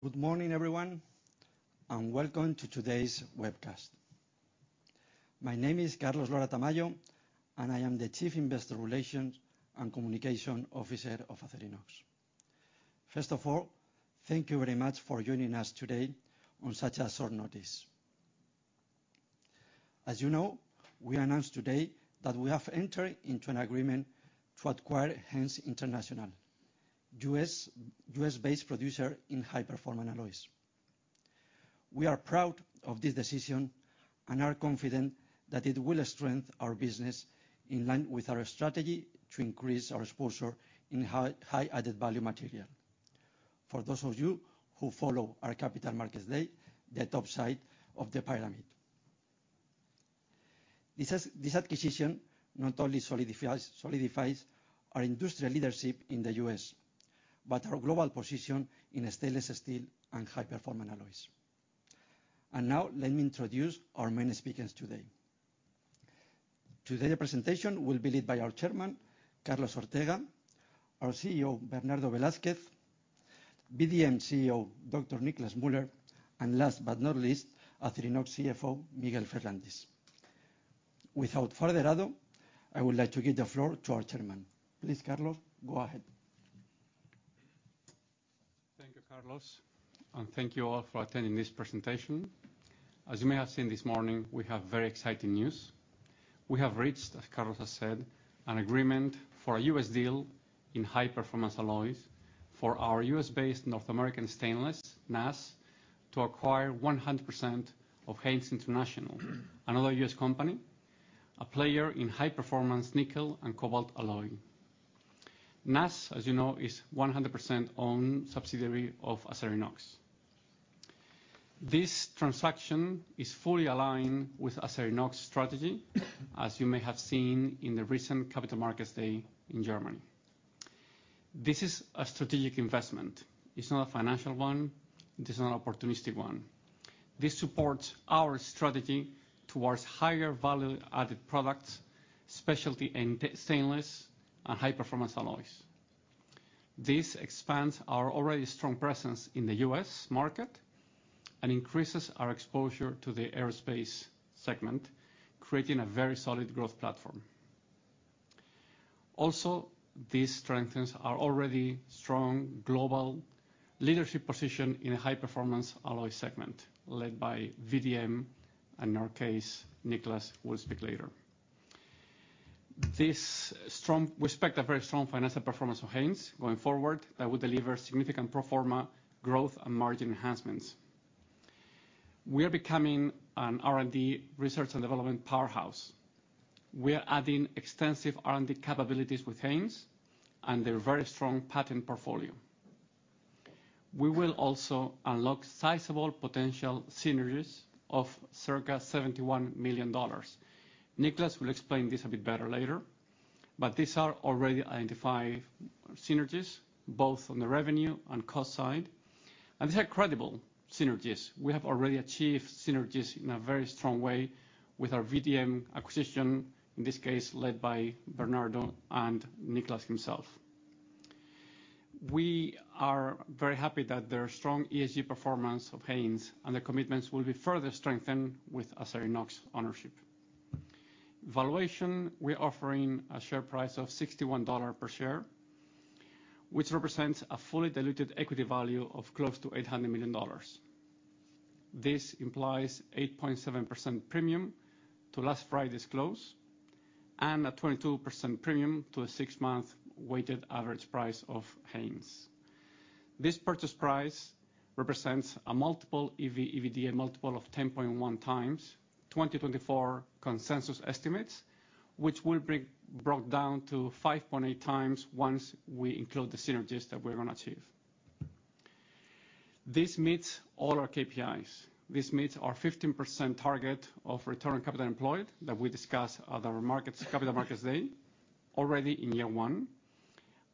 Good morning, everyone, and welcome to today's webcast. My name is Carlos Lora-Tamayo, and I am the Chief Investor Relations and Communication Officer of Acerinox. First of all, thank you very much for joining us today on such a short notice. As you know, we announced today that we have entered into an agreement to acquire Haynes International, US-based producer in high performance alloys. We are proud of this decision and are confident that it will strengthen our business in line with our strategy to increase our exposure in high added value material. For those of you who follow our Capital Markets Day, the top side of the pyramid. This acquisition not only solidifies our industrial leadership in the US, but our global position in stainless steel and high performance alloys. Now let me introduce our main speakers today. Today, the presentation will be led by our Chairman, Carlos Ortega, our CEO, Bernardo Velázquez, VDM CEO, Dr. Niclas Müller, and last but not least, Acerinox CFO, Miguel Ferrandis. Without further ado, I would like to give the floor to our Chairman. Please, Carlos, go ahead. Thank you, Carlos, and thank you all for attending this presentation. As you may have seen this morning, we have very exciting news. We have reached, as Carlos has said, an agreement for a US deal in high performance alloys for our US-based North American Stainless, NAS, to acquire 100% of Haynes International, another US company, a player in high performance nickel and cobalt alloy. NAS, as you know, is 100% owned subsidiary of Acerinox. This transaction is fully aligned with Acerinox strategy, as you may have seen in the recent Capital Markets Day in Germany. This is a strategic investment. It's not a financial one. It is not an opportunistic one. This supports our strategy towards higher value added products, specialty and stainless, and high performance alloys. This expands our already strong presence in the U.S. market and increases our exposure to the aerospace segment, creating a very solid growth platform. Also, this strengthens our already strong global leadership position in a high-performance alloy segment, led by VDM, and in our case, Niclas will speak later. We expect a very strong financial performance from Haynes going forward that will deliver significant pro forma growth and margin enhancements. We are becoming an R&D, research and development, powerhouse. We are adding extensive R&D capabilities with Haynes and their very strong patent portfolio. We will also unlock sizable potential synergies of circa $71 million. Niclas will explain this a bit better later, but these are already identified synergies, both on the revenue and cost side, and these are credible synergies. We have already achieved synergies in a very strong way with our VDM acquisition, in this case, led by Bernardo and Niclas himself. We are very happy that Haynes' strong ESG performance and their commitments will be further strengthened with Acerinox ownership. Valuation, we're offering a share price of $61 per share, which represents a fully diluted equity value of close to $800 million. This implies 8.7% premium to last Friday's close and a 22% premium to a 6-month weighted average price of Haynes. This purchase price represents a EV/EBITDA multiple of 10.1x 2024 consensus estimates, which brought down to 5.8x once we include the synergies that we're going to achieve. This meets all our KPIs. This meets our 15% target of return capital employed that we discussed at our Capital Markets Day, already in year one,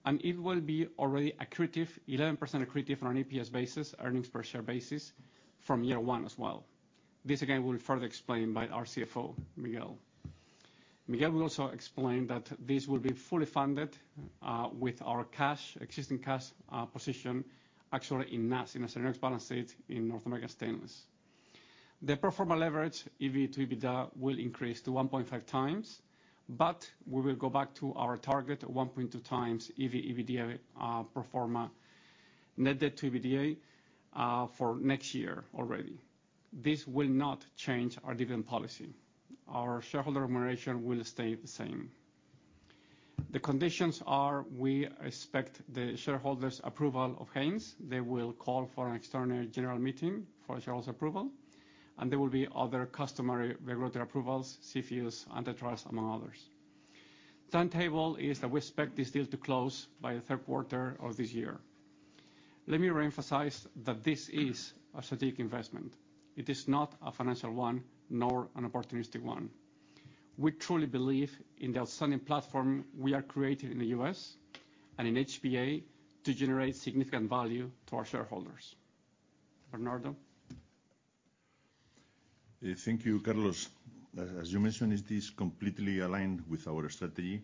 and it will be already accretive, 11% accretive on an EPS basis, earnings per share basis, from year one as well. This, again, will be further explained by our CFO, Miguel. Miguel will also explain that this will be fully funded, with our cash, existing cash, position, actually in NAS, in Acerinox balance sheet in North American Stainless. The pro forma leverage, EV/EBITDA, will increase to 1.5x, but we will go back to our target of 1.2x EV/EBITDA, pro forma net debt to EBITDA, for next year already. This will not change our dividend policy. Our shareholder remuneration will stay the same. The conditions are, we expect the shareholders' approval of Haynes. They will call for an extraordinary general meeting for the shareholders' approval, and there will be other customary regulatory approvals, CFIUS, antitrust, among others. Timetable is that we expect this deal to close by the Q3 of this year. Let me reemphasize that this is a strategic investment. It is not a financial one, nor an opportunistic one. We truly believe in the outstanding platform we are creating in the US and in HPA to generate significant value to our shareholders. Bernardo?... thank you, Carlos. As you mentioned, it is completely aligned with our strategy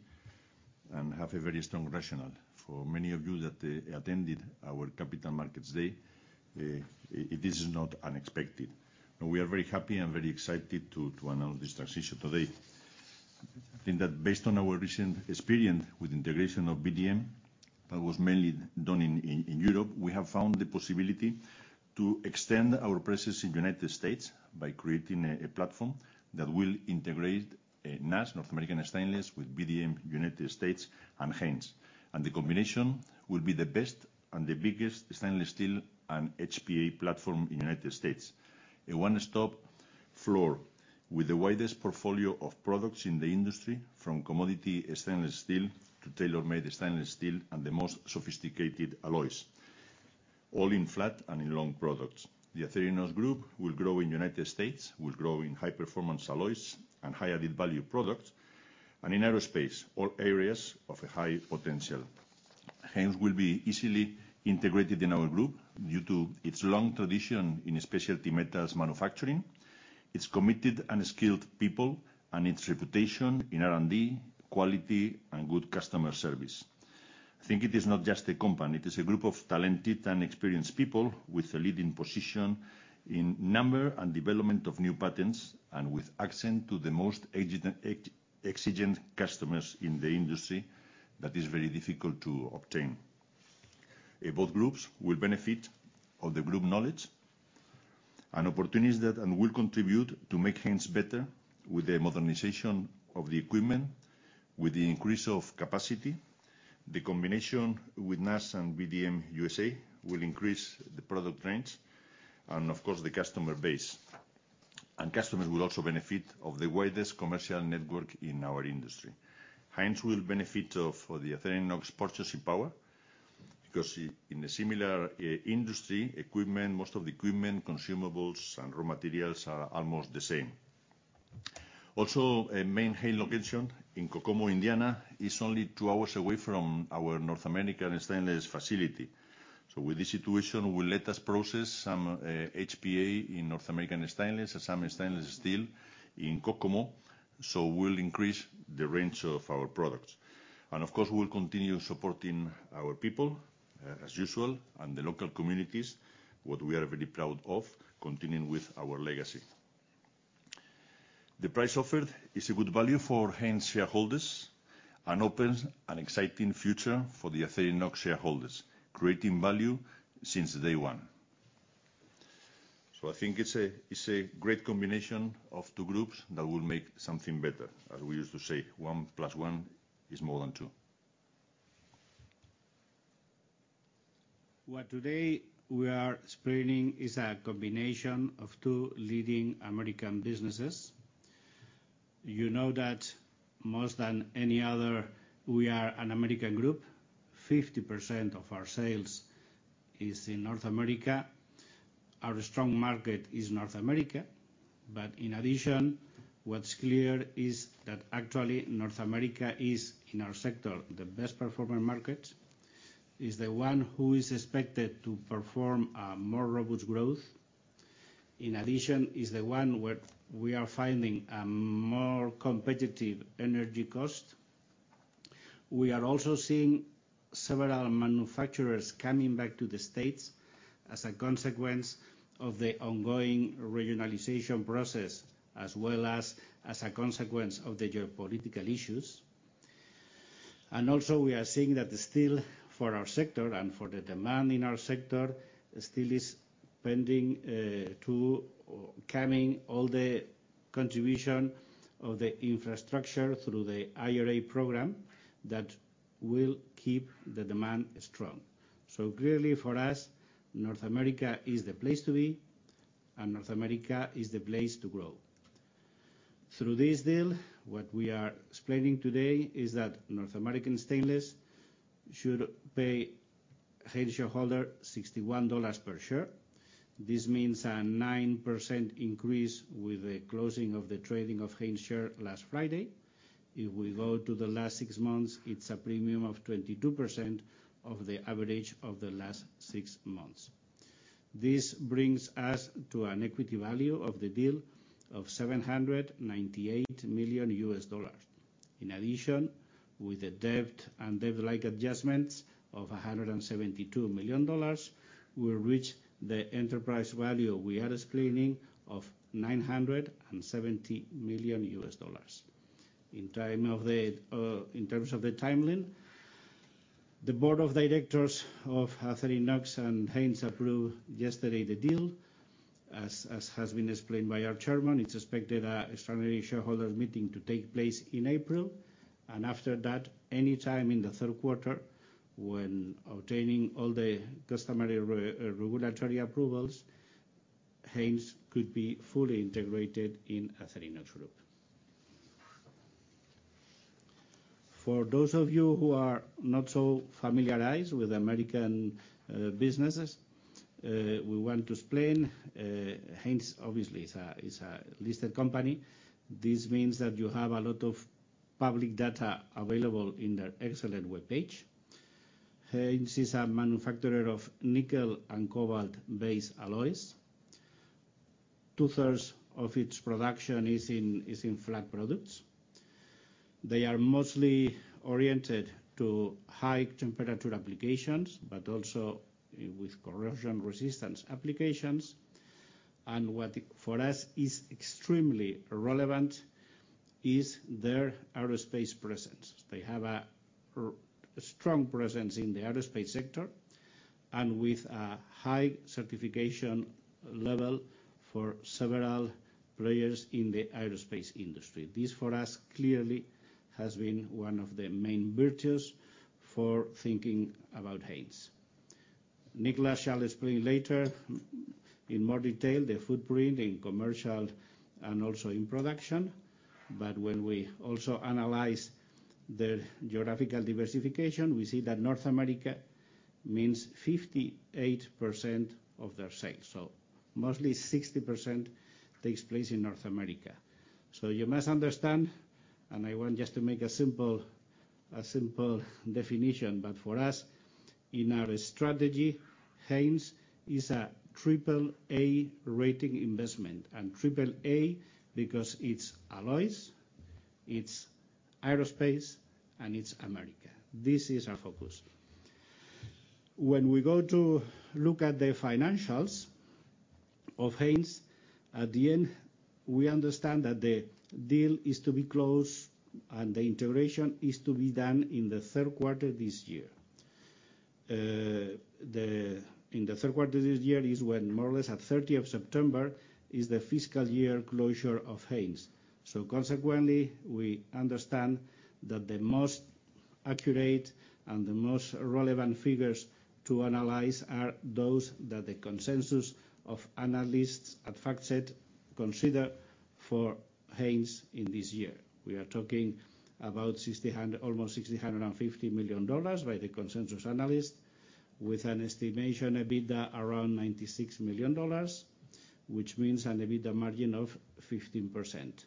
and have a very strong rationale. For many of you that attended our Capital Markets Day, it is not unexpected. And we are very happy and very excited to announce this transaction today. In that, based on our recent experience with integration of VDM, that was mainly done in Europe, we have found the possibility to extend our presence in United States by creating a platform that will integrate NAS, North American Stainless, with VDM United States and Haynes. And the combination will be the best and the biggest stainless steel and HPA platform in the United States. A one-stop floor with the widest portfolio of products in the industry, from commodity stainless steel to tailor-made stainless steel and the most sophisticated alloys, all in flat and in long products. The Acerinox Group will grow in United States, will grow in high-performance alloys and high added value products, and in aerospace, all areas of a high potential. Haynes will be easily integrated in our group due to its long tradition in specialty metals manufacturing, its committed and skilled people, and its reputation in R&D, quality, and good customer service. I think it is not just a company, it is a group of talented and experienced people with a leading position in number and development of new patents, and with access to the most exigent customers in the industry that is very difficult to obtain. Both groups will benefit of the group knowledge and opportunities that, and will contribute to make things better with the modernization of the equipment, with the increase of capacity. The combination with NAS and VDM USA will increase the product range and, of course, the customer base. And customers will also benefit of the widest commercial network in our industry. Haynes will benefit of, of the Acerinox purchasing power, because in a similar, industry, equipment, most of the equipment, consumables, and raw materials are almost the same. Also, a main Haynes location in Kokomo, Indiana, is only two hours away from our North American Stainless facility. So with this situation, will let us process some, HPA in North American Stainless and some stainless steel in Kokomo, so we'll increase the range of our products. Of course, we will continue supporting our people, as usual, and the local communities, what we are very proud of, continuing with our legacy. The price offered is a good value for Haynes shareholders and opens an exciting future for the Acerinox shareholders, creating value since day one. I think it's a, it's a great combination of two groups that will make something better. As we used to say, one plus one is more than two. What today we are explaining is a combination of two leading American businesses. You know that more than any other, we are an American group. 50% of our sales is in North America. Our strong market is North America. But in addition, what's clear is that actually, North America is, in our sector, the best performing market. Is the one who is expected to perform more robust growth. In addition, is the one where we are finding a more competitive energy cost. We are also seeing several manufacturers coming back to the States as a consequence of the ongoing regionalization process, as well as, as a consequence of the geopolitical issues. And also, we are seeing that the steel for our sector and for the demand in our sector, still is pending the coming all the contribution of the infrastructure through the IRA program that will keep the demand strong. So clearly, for us, North America is the place to be, and North America is the place to grow. Through this deal, what we are explaining today is that North American Stainless should pay Haynes shareholder $61 per share. This means a 9% increase with the closing of the trading of Haynes share last Friday. If we go to the last six months, it's a premium of 22% of the average of the last six months. This brings us to an equity value of the deal of $798 million. In addition, with the debt and debt-like adjustments of $172 million, we reach the enterprise value we are explaining of $970 million. In terms of the timeline, the board of directors of Acerinox and Haynes approved yesterday the deal. As has been explained by our chairman, it's expected a extraordinary shareholders meeting to take place in April, and after that, any time in the Q3, when obtaining all the customary regulatory approvals, Haynes could be fully integrated in Acerinox group. For those of you who are not so familiarized with American businesses, we want to explain, Haynes obviously is a listed company. This means that you have a lot of public data available in their excellent web page.... Haynes is a manufacturer of nickel and cobalt-based alloys. Two thirds of its production is in flat products. They are mostly oriented to high temperature applications, but also with corrosion resistance applications. And what, for us, is extremely relevant is their aerospace presence. They have a strong presence in the aerospace sector, and with a high certification level for several players in the aerospace industry. This, for us, clearly has been one of the main virtues for thinking about Haynes. Niclas shall explain later in more detail, the footprint in commercial and also in production, but when we also analyze the geographical diversification, we see that North America means 58% of their sales. So mostly 60% takes place in North America. So you must understand, and I want just to make a simple definition, but for us, in our strategy, Haynes is a triple A rating investment. Triple A, because it's alloys, it's aerospace, and it's America. This is our focus. When we go to look at the financials of Haynes, at the end, we understand that the deal is to be closed and the integration is to be done in the Q3 this year. In the Q3 this year is when, more or less at third of September, is the fiscal year closure of Haynes. So consequently, we understand that the most accurate and the most relevant figures to analyze are those that the consensus of analysts at FactSet consider for Haynes in this year. We are talking about almost $650 million by the consensus analyst, with an estimation EBITDA around $96 million, which means an EBITDA margin of 15%.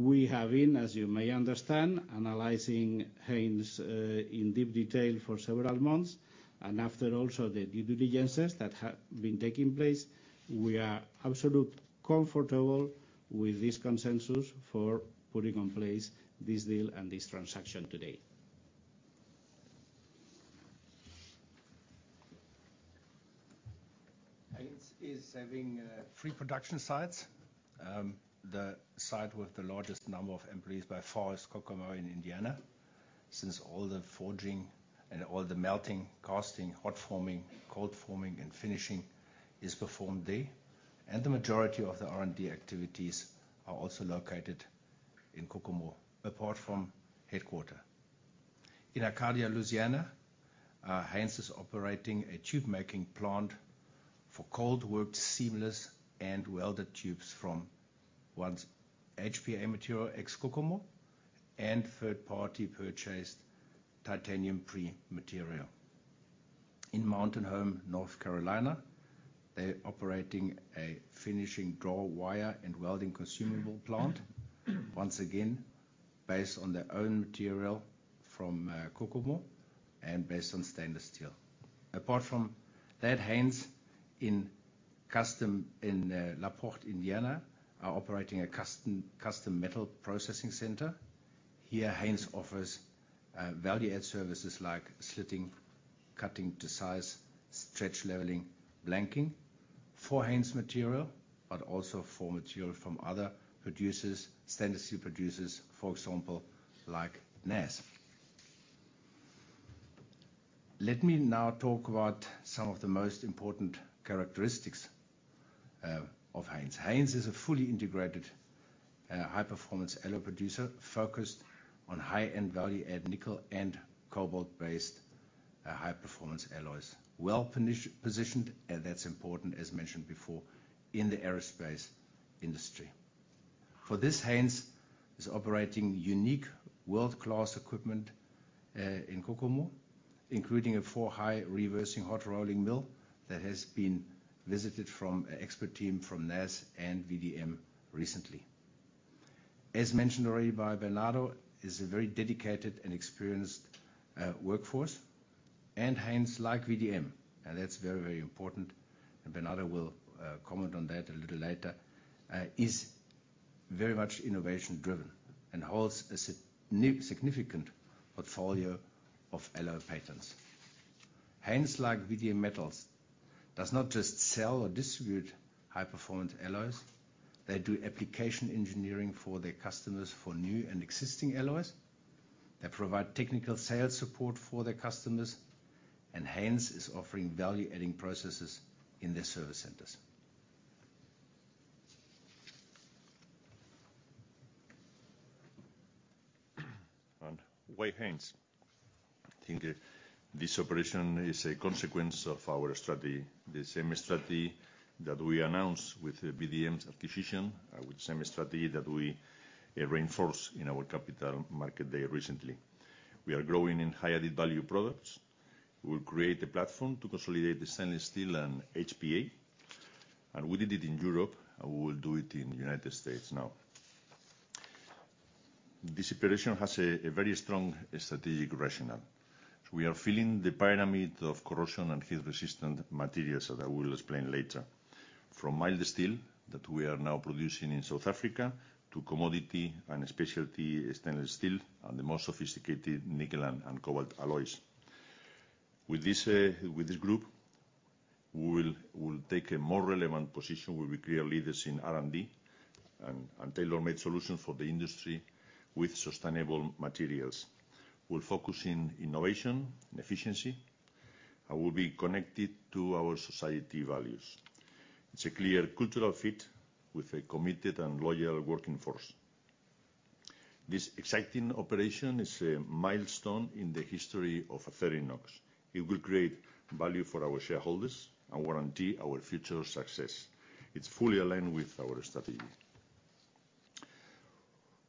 We have been, as you may understand, analyzing Haynes in deep detail for several months, and after also the due diligence that have been taking place, we are absolutely comfortable with this consensus for putting in place this deal and this transaction today. Haynes is having three production sites. The site with the largest number of employees by far is Kokomo in Indiana. Since all the forging and all the melting, casting, hot forming, cold forming, and finishing is performed there, and the majority of the R&D activities are also located in Kokomo, apart from headquarters. In Arcadia, Louisiana, Haynes is operating a tube-making plant for cold-worked, seamless, and welded tubes from own HPA material ex-Kokomo, and third-party purchased titanium pre-material. In Mountain Home, North Carolina, they're operating a finishing draw wire and welding consumable plant. Once again, based on their own material from Kokomo and based on stainless steel. Apart from that, Haynes in custom in LaPorte, Indiana, are operating a custom, custom metal processing center. Here, Haynes offers value-add services like slitting, cutting to size, stretch leveling, blanking for Haynes material, but also for material from other producers, standard steel producers, for example, like NAS. Let me now talk about some of the most important characteristics of Haynes. Haynes is a fully integrated high-performance alloy producer, focused on high-end value-add nickel- and cobalt-based high-performance alloys. Well-positioned, and that's important, as mentioned before, in the aerospace industry. For this, Haynes is operating unique world-class equipment in Kokomo, including a four-high reversing hot rolling mill that has been visited by an expert team from NAS and VDM recently. As mentioned already by Bernardo, it's a very dedicated and experienced workforce, and Haynes, like VDM, and that's very, very important, and Bernardo will comment on that a little later. It is very much innovation-driven and holds a significant portfolio of alloy patents. Haynes, like VDM Metals, does not just sell or distribute high-performance alloys. They do application engineering for their customers for new and existing alloys. They provide technical sales support for their customers, and Haynes is offering value-adding processes in their service centers. And why Haynes? I think, this operation is a consequence of our strategy, the same strategy that we announced with the VDM's acquisition, with the same strategy that we reinforced in our Capital Markets Day recently. We are growing in high added-value products. We will create a platform to consolidate the stainless steel and HPA, and we did it in Europe, and we will do it in the United States now.... This operation has a very strong strategic rationale. We are filling the pyramid of corrosion and heat-resistant materials, that I will explain later. From mild steel, that we are now producing in South Africa, to commodity and specialty stainless steel, and the most sophisticated nickel and cobalt alloys. With this group, we will take a more relevant position, we will be clear leaders in R&D, and tailor-made solutions for the industry with sustainable materials. We'll focus in innovation and efficiency, and we'll be connected to our society values. It's a clear cultural fit with a committed and loyal working force. This exciting operation is a milestone in the history of Acerinox. It will create value for our shareholders and warrant our future success. It's fully aligned with our strategy.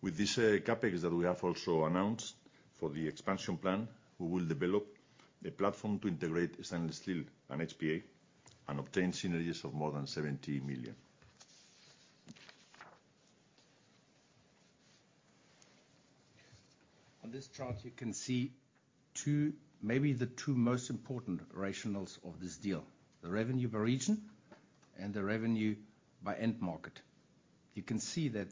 With this, CapEx that we have also announced for the expansion plan, we will develop a platform to integrate stainless steel and HPA, and obtain synergies of more than 70 million. On this chart, you can see two, maybe the two most important rationales of this deal: the revenue by region and the revenue by end market. You can see that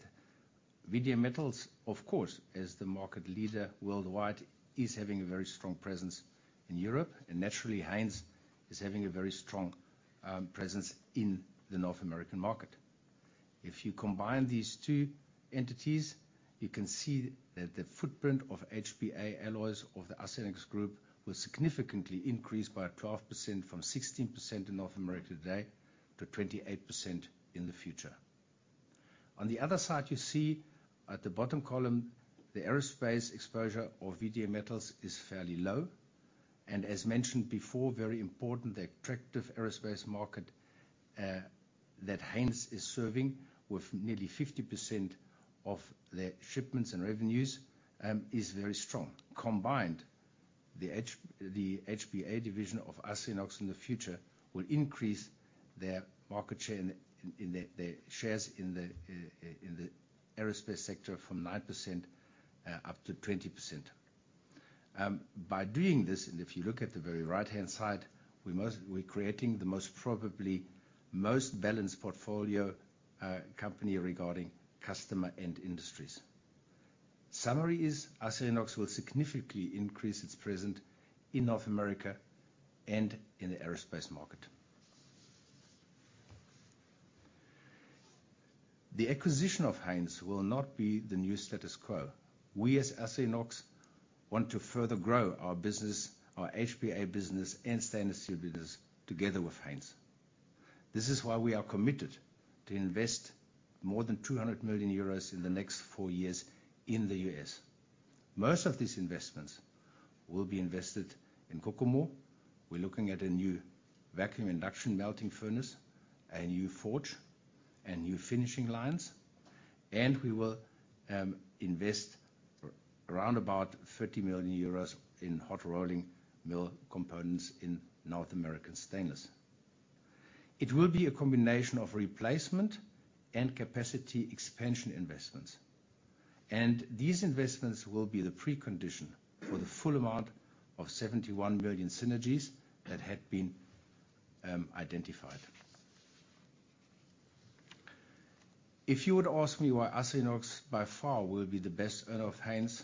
VDM Metals, of course, as the market leader worldwide, is having a very strong presence in Europe, and naturally, Haynes is having a very strong presence in the North American market. If you combine these two entities, you can see that the footprint of HPA alloys of the Acerinox Group will significantly increase by 12% from 16% in North America today, to 28% in the future. On the other side, you see at the bottom column, the aerospace exposure of VDM Metals is fairly low, and as mentioned before, very important, the attractive aerospace market that Haynes is serving with nearly 50% of their shipments and revenues is very strong. Combined, the HPA division of Acerinox in the future will increase their market share in the shares in the aerospace sector from 9% up to 20%. By doing this, and if you look at the very right-hand side, we're creating the most probably most balanced portfolio company regarding customer and industries. Summary is, Acerinox will significantly increase its presence in North America and in the aerospace market. The acquisition of Haynes will not be the new status quo. We, as Acerinox, want to further grow our business, our HPA business, and stainless steel business together with Haynes. This is why we are committed to invest more than 200 million euros in the next 4 years in the U.S. Most of these investments will be invested in Kokomo. We're looking at a new vacuum induction melting furnace, a new forge and new finishing lines, and we will invest around about 30 million euros in hot rolling mill components in North American Stainless. It will be a combination of replacement and capacity expansion investments, and these investments will be the precondition for the full amount of 71 million synergies that had been identified. If you were to ask me why Acerinox, by far, will be the best earner of Haynes,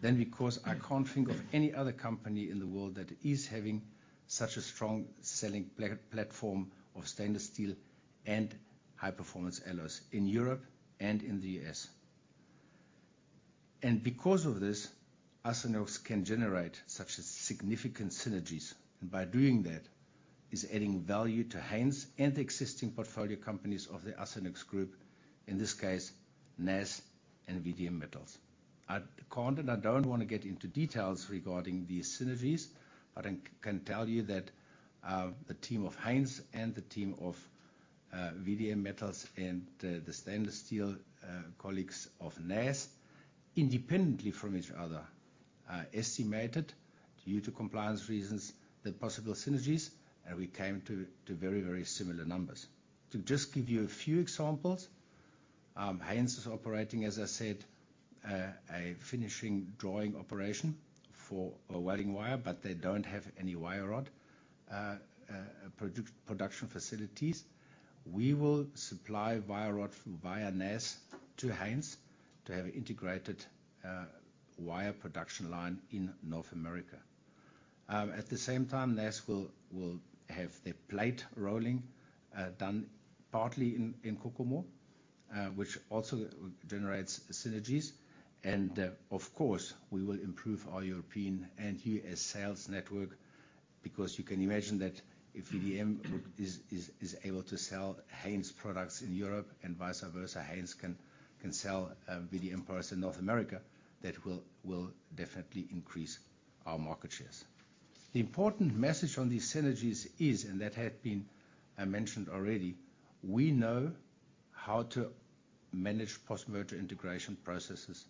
then because I can't think of any other company in the world that is having such a strong selling platform of stainless steel and high-performance alloys in Europe and in the US. And because of this, Acerinox can generate such a significant synergies, and by doing that, is adding value to Haynes and the existing portfolio companies of the Acerinox Group, in this case, NAS and VDM Metals. I can't and I don't want to get into details regarding these synergies, but I can tell you that the team of Haynes and the team of VDM Metals and the stainless steel colleagues of NAS, independently from each other, estimated, due to compliance reasons, the possible synergies, and we came to very, very similar numbers. To just give you a few examples, Haynes is operating, as I said, a finishing drawing operation for a welding wire, but they don't have any wire rod production facilities. We will supply wire rod via NAS to Haynes to have integrated wire production line in North America. At the same time, NAS will have the plate rolling done partly in Kokomo, which also generates synergies. And, of course, we will improve our European and U.S. sales network, because you can imagine that if VDM is able to sell Haynes products in Europe and vice versa, Haynes can sell VDM products in North America, that will definitely increase our market shares. The important message on these synergies is, and that had been mentioned already: we know how to manage post-merger integration processes.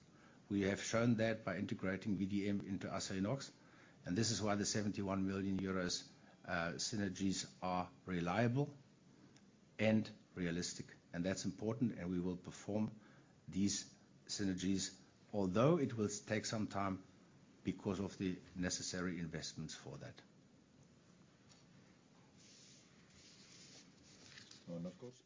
We have shown that by integrating VDM into Acerinox, and this is why the 71 million euros synergies are reliable.... and realistic, and that's important, and we will perform these synergies, although it will take some time because of the necessary investments for that. And, of course,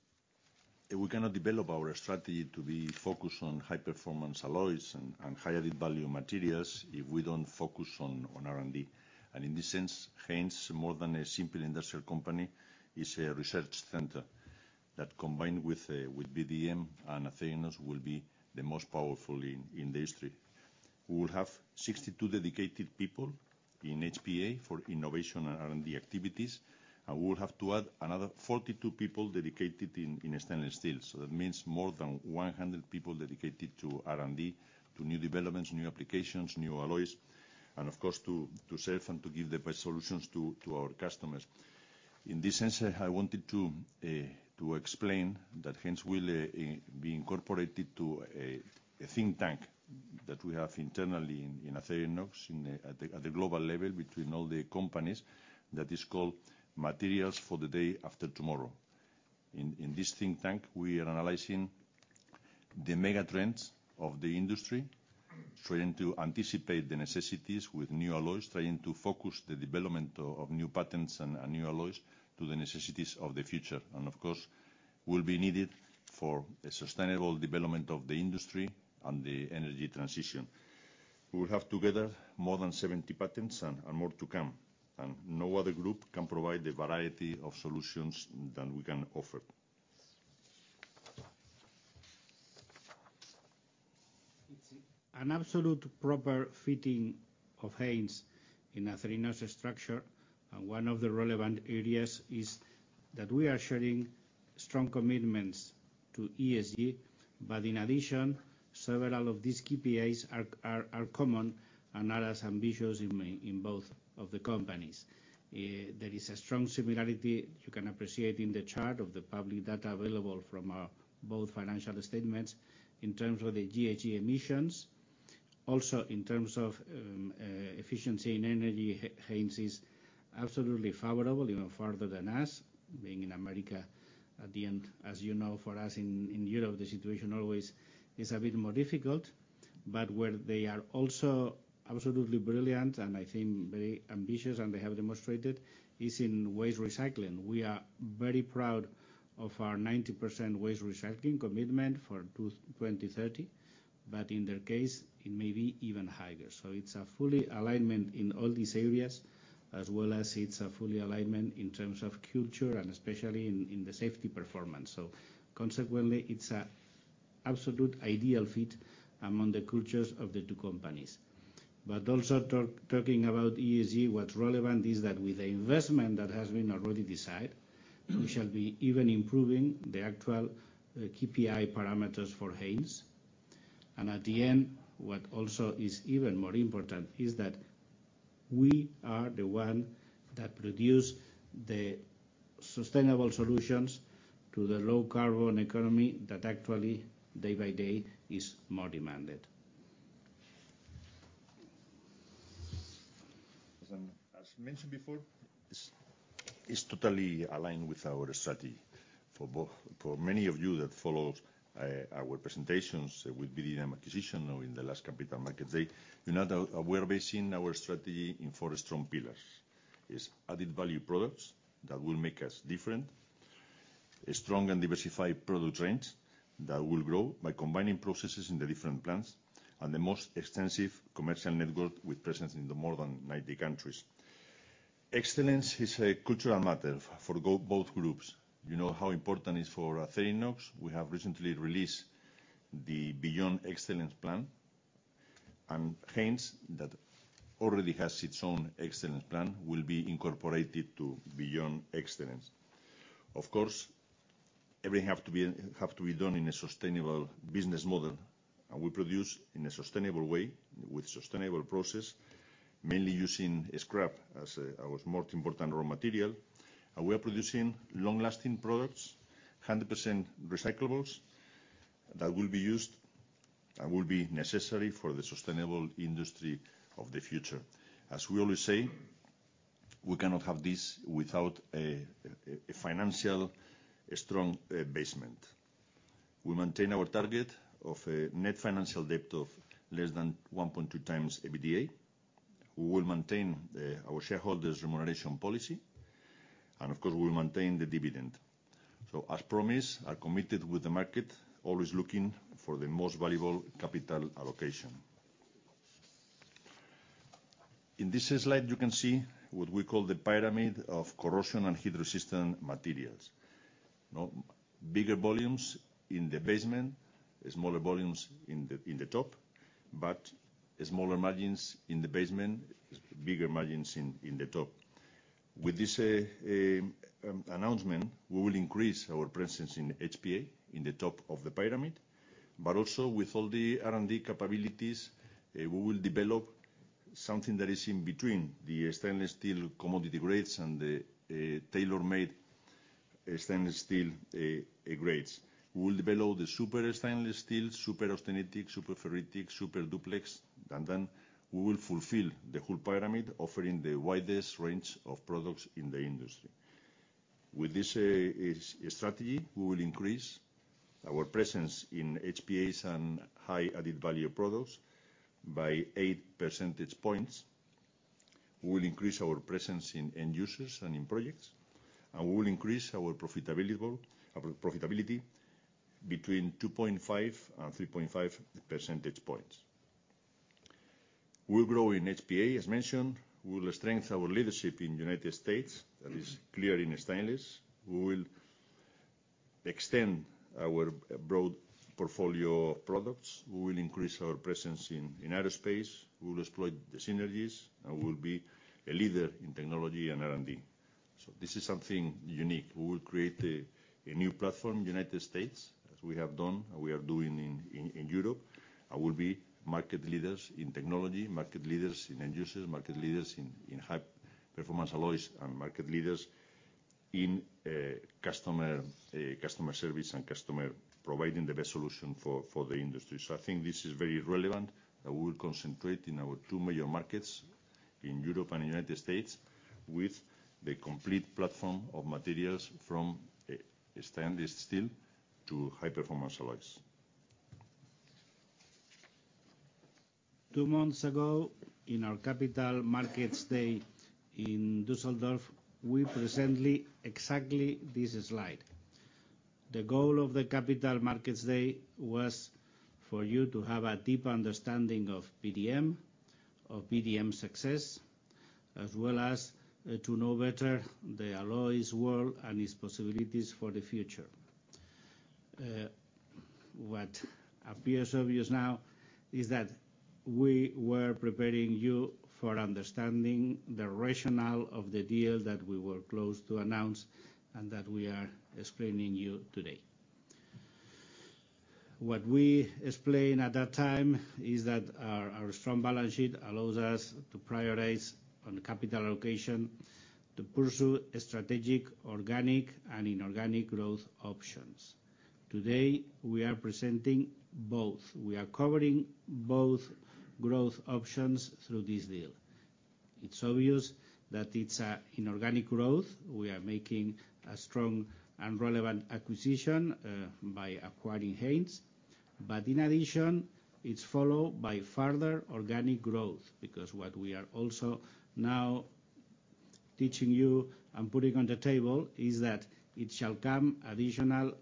we cannot develop our strategy to be focused on high-performance alloys and high added-value materials if we don't focus on R&D. And in this sense, Haynes, more than a simple industrial company, is a research center that, combined with VDM and Acerinox, will be the most powerful in history. We will have 62 dedicated people in HPA for innovation and R&D activities, and we will have to add another 42 people dedicated in stainless steels. So that means more than 100 people dedicated to R&D, to new developments, new applications, new alloys, and of course, to serve and to give the best solutions to our customers. In this sense, I wanted to explain that Haynes will be incorporated to a think tank that we have internally in Acerinox at the global level between all the companies that is called Materials for the Day After Tomorrow. In this think tank, we are analyzing the mega trends of the industry, trying to anticipate the necessities with new alloys, trying to focus the development of new patterns and new alloys to the necessities of the future, and of course, will be needed for a sustainable development of the industry and the energy transition. We will have together more than 70 patents and more to come, and no other group can provide the variety of solutions than we can offer. It's an absolute proper fitting of Haynes in Acerinox's structure, and one of the relevant areas is that we are sharing strong commitments to ESG, but in addition, several of these KPIs are common and are as ambitious in both of the companies. There is a strong similarity you can appreciate in the chart of the public data available from both financial statements in terms of the GHG emissions. Also, in terms of efficiency and energy, Haynes is absolutely favorable, even farther than us, being in America. At the end, as you know, for us in Europe, the situation always is a bit more difficult, but where they are also absolutely brilliant, and I think very ambitious, and they have demonstrated, is in waste recycling. We are very proud of our 90% waste recycling commitment for 2030, but in their case, it may be even higher. So it's a full alignment in all these areas, as well as it's a full alignment in terms of culture and especially in the safety performance. So consequently, it's an absolute ideal fit among the cultures of the two companies. But also talking about ESG, what's relevant is that with the investment that has been already decided, we shall be even improving the actual KPI parameters for Haynes. And at the end, what also is even more important is that we are the one that produce the sustainable solutions to the low-carbon economy that actually, day by day, is more demanded. As mentioned before, this is totally aligned with our strategy. For many of you that follow our presentations with VDM acquisition or in the last Capital Markets Day, you know that we are basing our strategy in four strong pillars. It's added-value products that will make us different, a strong and diversified product range that will grow by combining processes in the different plants, and the most extensive commercial network with presence in more than 90 countries. Excellence is a cultural matter for both groups. You know how important it is for Acerinox. We have recently released the Beyond Excellence plan, and Haynes, that already has its own excellence plan, will be incorporated to Beyond Excellence. Of course, everything have to be, have to be done in a sustainable business model, and we produce in a sustainable way with sustainable process, mainly using scrap as our most important raw material. And we are producing long-lasting products, 100% recyclables, that will be used and will be necessary for the sustainable industry of the future. As we always say, we cannot have this without a financial, a strong basement. We maintain our target of a net financial debt of less than 1.2x EBITDA. We will maintain our shareholders' remuneration policy, and of course, we will maintain the dividend. So as promised, are committed with the market, always looking for the most valuable capital allocation. In this slide, you can see what we call the pyramid of corrosion and heat-resistant materials. Bigger volumes in the basement, smaller volumes in the top, but smaller margins in the basement, bigger margins in the top. With this announcement, we will increase our presence in HPA, in the top of the pyramid, but also with all the R&D capabilities, we will develop something that is in between the stainless steel commodity grades and the tailor-made stainless steel grades. We will develop the super stainless steel, super austenitic, super ferritic, super duplex, and then we will fulfill the whole pyramid, offering the widest range of products in the industry. With this strategy, we will increase our presence in HPAs and high added value products by 8 percentage points. We will increase our presence in end users and in projects, and we will increase our profitability, our profitability between 2.5 and 3.5 percentage points. We'll grow in HPA, as mentioned. We will strengthen our leadership in United States, that is clear in the stainless. We will extend our broad portfolio of products. We will increase our presence in aerospace. We will exploit the synergies, and we will be a leader in technology and R&D. So this is something unique. We will create a new platform, United States, as we have done and we are doing in Europe, and we'll be market leaders in technology, market leaders in end users, market leaders in high performance alloys, and market leaders in customer service and customer providing the best solution for the industry. I think this is very relevant, and we will concentrate in our two major markets, in Europe and United States, with the complete platform of materials from stainless steel to high-performance alloys. Two months ago, in our Capital Markets Day in Düsseldorf, we presented exactly this slide. The goal of the Capital Markets Day was for you to have a deep understanding of VDM, of VDM success, as well as to know better the alloys world and its possibilities for the future. What appears obvious now is that we were preparing you for understanding the rationale of the deal that we were close to announce, and that we are explaining you today. What we explained at that time is that our strong balance sheet allows us to prioritize on capital allocation, to pursue a strategic, organic, and inorganic growth options. Today, we are presenting both. We are covering both growth options through this deal. It's obvious that it's a inorganic growth. We are making a strong and relevant acquisition by acquiring Haynes, but in addition, it's followed by further organic growth, because what we are also now teaching you and putting on the table is that it shall come additional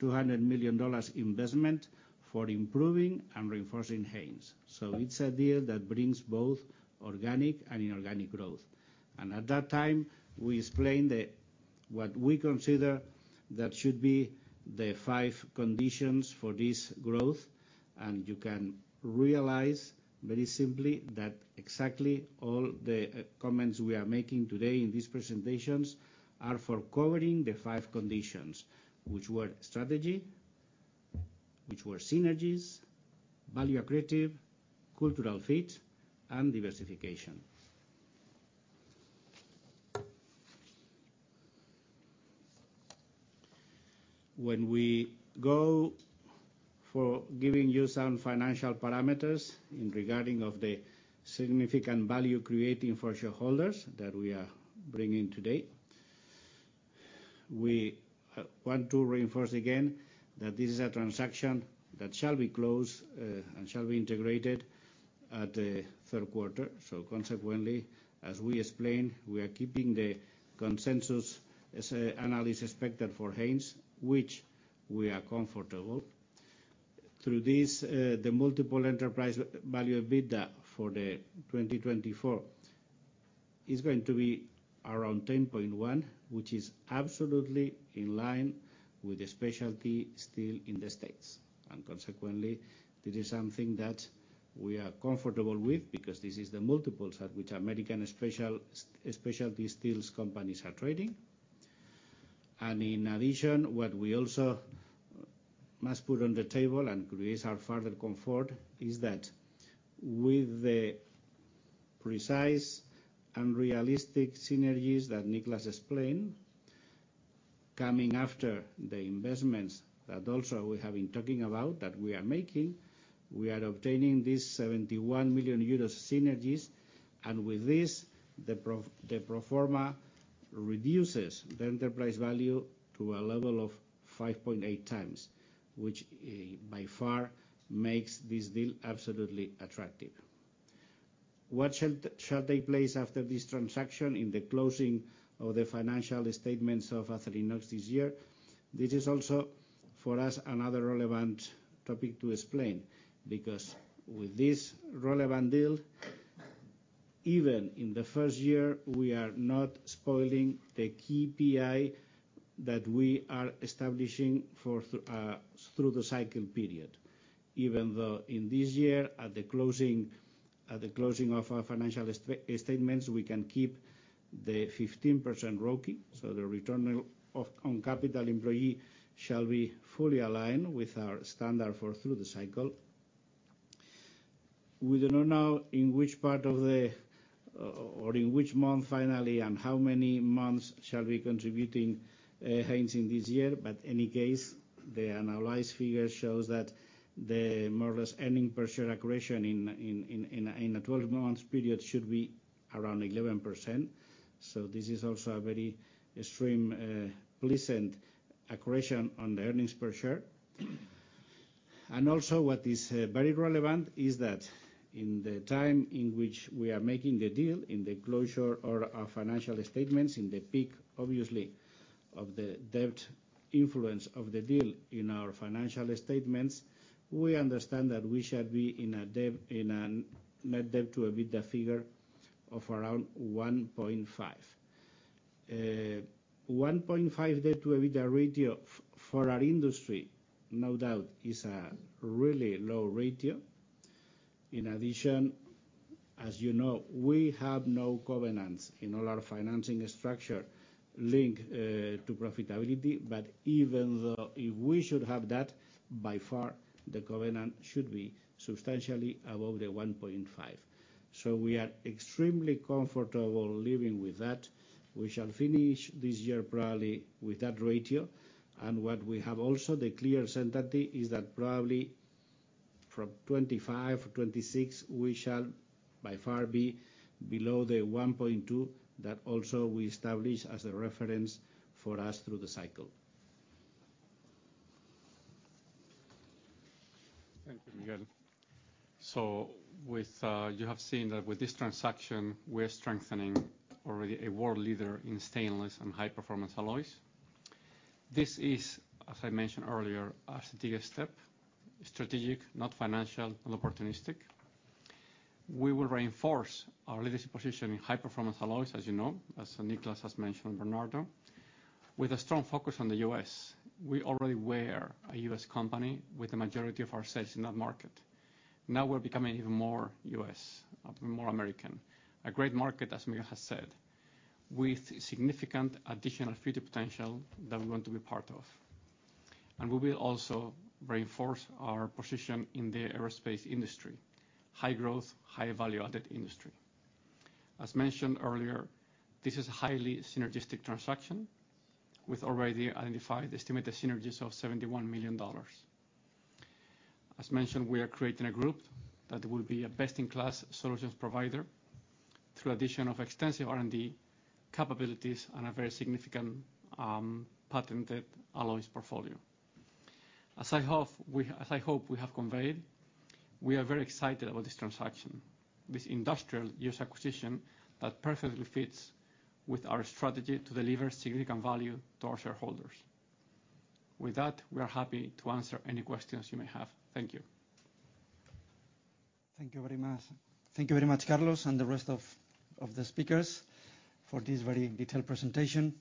$200 million investment for improving and reinforcing Haynes. So it's a deal that brings both organic and inorganic growth, and at that time, we explained the what we consider that should be the five conditions for this growth. And you can realize very simply that exactly all the comments we are making today in these presentations are for covering the five conditions, which were strategy, which were synergies, value accretive, cultural fit, and diversification. When we go for giving you some financial parameters in regard to the significant value creating for shareholders that we are bringing today, we want to reinforce again that this is a transaction that shall be closed and shall be integrated at the Q3. So consequently, as we explained, we are keeping the consensus as analysts expected for Haynes, which we are comfortable. Through this, the multiple enterprise value/EBITDA for 2024 is going to be around 10.1, which is absolutely in line with the specialty steel in the States. And consequently, this is something that we are comfortable with, because this is the multiples at which American specialty steels companies are trading. In addition, what we also must put on the table and increase our further comfort, is that with the precise and realistic synergies that Niclas explained, coming after the investments that also we have been talking about, that we are making, we are obtaining these 71 million euros synergies, and with this, the pro forma reduces the enterprise value to a level of 5.8x, which by far makes this deal absolutely attractive. What shall take place after this transaction in the closing of the financial statements of Acerinox this year? This is also, for us, another relevant topic to explain, because with this relevant deal, even in the first year, we are not spoiling the key PI that we are establishing for through the cycle period. Even though in this year, at the closing, at the closing of our financial statements, we can keep the 15% ROCE, so the return on capital employed shall be fully aligned with our standard for through the cycle. We don't know now in which part of the, or in which month finally, and how many months shall be contributing hence in this year. But any case, the analyzed figure shows that the more or less ending per share accretion in a twelve-month period should be around 11%. So this is also a very extreme pleasant accretion on the earnings per share. And also, what is very relevant is that in the time in which we are making the deal, in the closure or our financial statements, in the peak, obviously, of the debt influence of the deal in our financial statements, we understand that we shall be in a debt, in an net debt to EBITDA figure of around 1.5. 1.5 debt to EBITDA ratio for our industry, no doubt, is a really low ratio. In addition, as you know, we have no covenants in all our financing structure linked to profitability, but even though, if we should have that, by far, the covenant should be substantially above the 1.5. So we are extremely comfortable living with that. We shall finish this year probably with that ratio, and what we have also the clear certainty is that probably from 2025, 2026, we shall by far be below the 1.2 that also we establish as a reference for us through the cycle. Thank you, Miguel. You have seen that with this transaction, we're strengthening already a world leader in stainless and high-performance alloys. This is, as I mentioned earlier, a strategic step. Strategic, not financial and opportunistic. We will reinforce our leadership position in high-performance alloys, as you know, as Niclas has mentioned, Bernardo. With a strong focus on the U.S., we already were a U.S. company with the majority of our sales in that market. Now, we're becoming even more U.S., more American. A great market, as Miguel has said, with significant additional future potential that we want to be part of. We will also reinforce our position in the aerospace industry. High growth, high value-added industry. As mentioned earlier, this is a highly synergistic transaction, with already identified estimated synergies of $71 million. As mentioned, we are creating a group that will be a best-in-class solutions provider through addition of extensive R&D capabilities and a very significant, patented alloys portfolio. As I hope we have conveyed, we are very excited about this transaction, this industrial use acquisition that perfectly fits with our strategy to deliver significant value to our shareholders. With that, we are happy to answer any questions you may have. Thank you. Thank you very much. Thank you very much, Carlos, and the rest of the speakers for this very detailed presentation.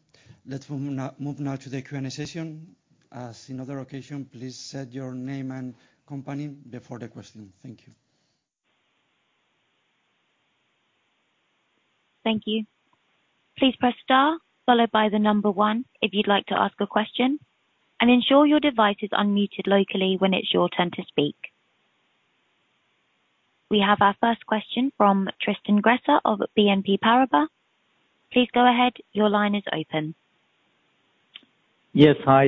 Let's move now to the Q&A session. As in other occasions, please state your name and company before the question. Thank you. Thank you. Please press star followed by the number one if you'd like to ask a question, and ensure your device is unmuted locally when it's your turn to speak. We have our first question from Tristan Gresser of BNP Paribas. Please go ahead. Your line is open. Yes. Hi,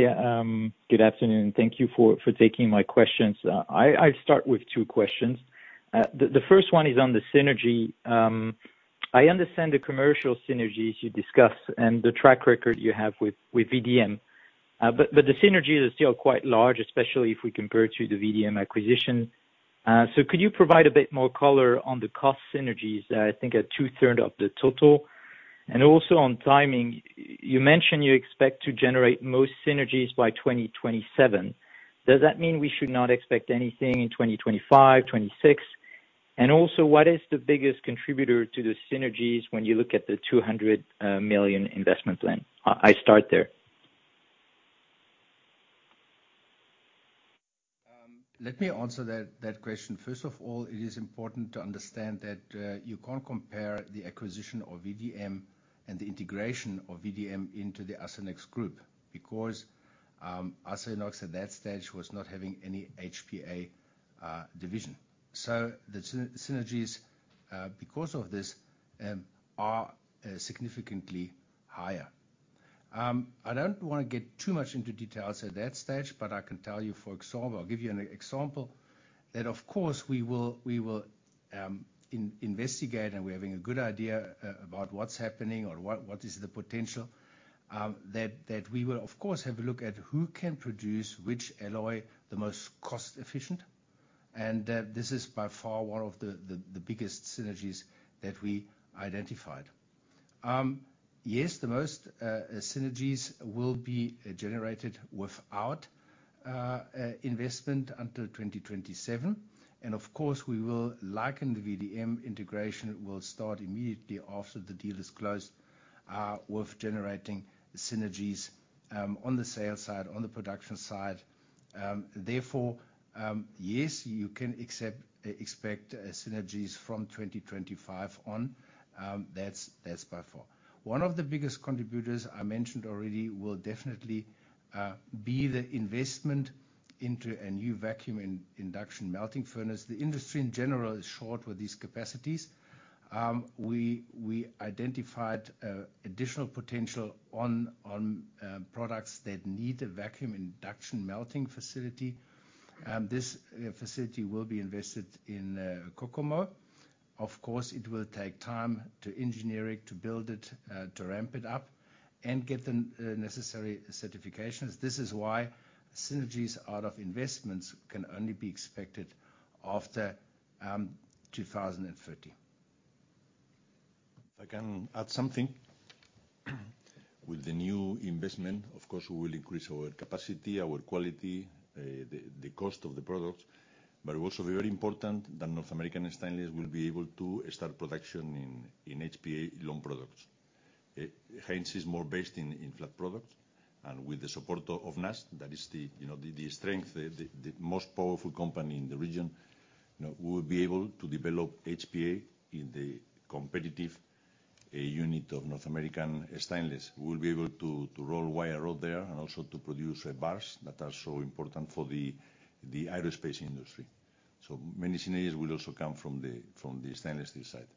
good afternoon, and thank you for taking my questions. I'll start with two questions. The first one is on the synergy. I understand the commercial synergies you discussed and the track record you have with VDM, but the synergies are still quite large, especially if we compare to the VDM acquisition. So could you provide a bit more color on the cost synergies, I think are two-thirds of the total? And also, on timing, you mentioned you expect to generate most synergies by 2027. Does that mean we should not expect anything in 2025, 2026? And also, what is the biggest contributor to the synergies when you look at the $200 million investment plan? I start there. Let me answer that question. First of all, it is important to understand that you can't compare the acquisition of VDM and the integration of VDM into the Acerinox Group, because Acerinox at that stage was not having any HPA division. So the synergies because of this are significantly higher. I don't wanna get too much into details at that stage, but I can tell you, for example, I'll give you an example, that of course, we will investigate, and we're having a good idea about what's happening or what is the potential. That we will, of course, have a look at who can produce which alloy the most cost efficient, and this is by far one of the biggest synergies that we identified. Yes, the most synergies will be generated without investment until 2027. And of course, we will like the VDM integration will start immediately after the deal is closed, with generating synergies on the sales side, on the production side. Therefore, yes, you can expect synergies from 2025 on. That's by far. One of the biggest contributors I mentioned already will definitely be the investment into a new vacuum induction melting furnace. The industry in general is short with these capacities. We identified additional potential on products that need a vacuum induction melting facility, and this facility will be invested in Kokomo. Of course, it will take time to engineer it, to build it, to ramp it up, and get the necessary certifications. This is why synergies out of investments can only be expected after 2030. I can add something. With the new investment, of course, we will increase our capacity, our quality, the cost of the product. But it will also be very important that North American Stainless will be able to start production in HPA long products. Haynes is more based in flat products, and with the support of NAS, that is, you know, the most powerful company in the region. You know, we'll be able to develop HPA in the competitive unit of North American Stainless. We'll be able to roll wire rod there, and also to produce bars that are so important for the aerospace industry. So many synergies will also come from the stainless steel side.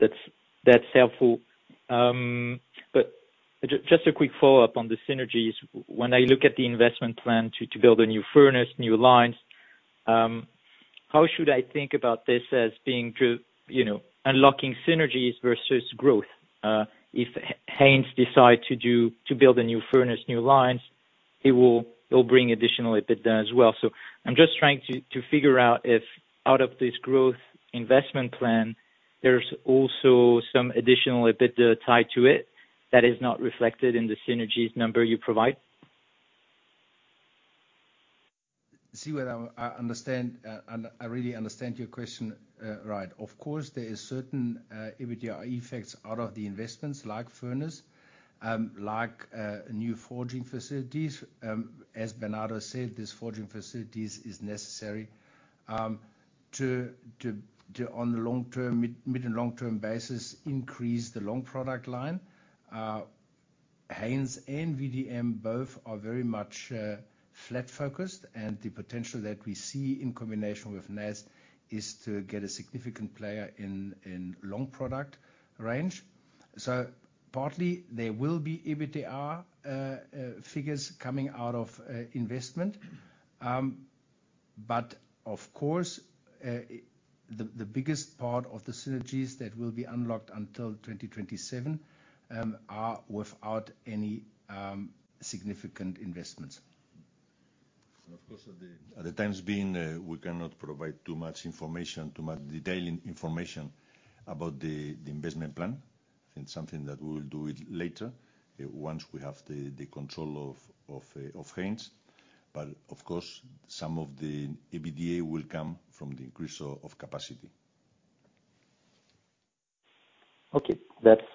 That's helpful. But just a quick follow-up on the synergies. When I look at the investment plan to build a new furnace, new lines, how should I think about this as being to, you know, unlocking synergies versus growth? If Haynes decide to build a new furnace, new lines, it'll bring additional EBITDA as well. So I'm just trying to figure out if, out of this growth investment plan, there's also some additional EBITDA tied to it that is not reflected in the synergies number you provide. See where I understand, and I really understand your question, right. Of course, there is certain EBITDA effects out of the investments like furnace, like new forging facilities. As Bernardo said, this forging facilities is necessary to on the long term, mid- and long-term basis, increase the long product line. Haynes and VDM both are very much flat focused, and the potential that we see in combination with NAS is to get a significant player in long product range. So partly there will be EBITDA figures coming out of investment. But of course, the biggest part of the synergies that will be unlocked until 2027 are without any significant investments. Of course, at the time being, we cannot provide too much information, too much detail in information about the investment plan, and something that we will do it later, once we have the control of Haynes. But of course, some of the EBITDA will come from the increase of capacity. Okay. That's,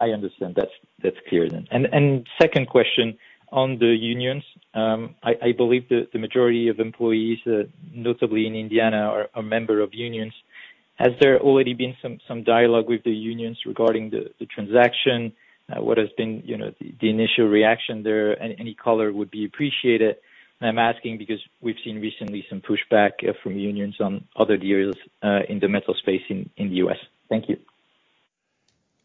I understand. That's, that's clear then. And second question on the unions. I believe the majority of employees, notably in Indiana, are member of unions. Has there already been some dialogue with the unions regarding the transaction? What has been, you know, the initial reaction there? Any color would be appreciated. I'm asking because we've seen recently some pushback from unions on other deals in the metal space in the U.S. Thank you.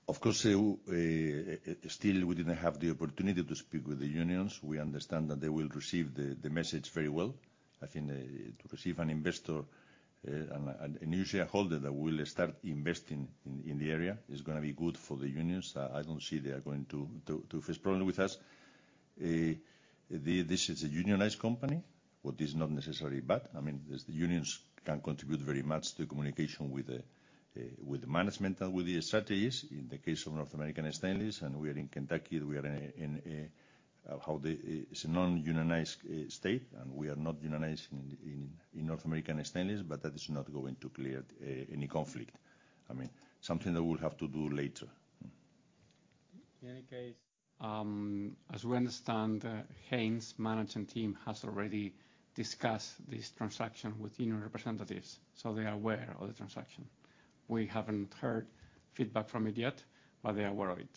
Of course, still, we didn't have the opportunity to speak with the unions. We understand that they will receive the message very well. I think, to receive an investor and a new shareholder that will start investing in the area, is gonna be good for the unions. I don't see they are going to face problem with us. This is a unionized company, but it's not necessarily bad. I mean, as the unions can contribute very much to communication with the management and with the strategies in the case of North American Stainless, and we are in Kentucky, we are in a non-unionized state, and we are not unionized in North American Stainless, but that is not going to create any conflict. I mean, something that we'll have to do later. In any case, as we understand, Haynes' managing team has already discussed this transaction with union representatives, so they are aware of the transaction. We haven't heard feedback from it yet, but they are aware of it.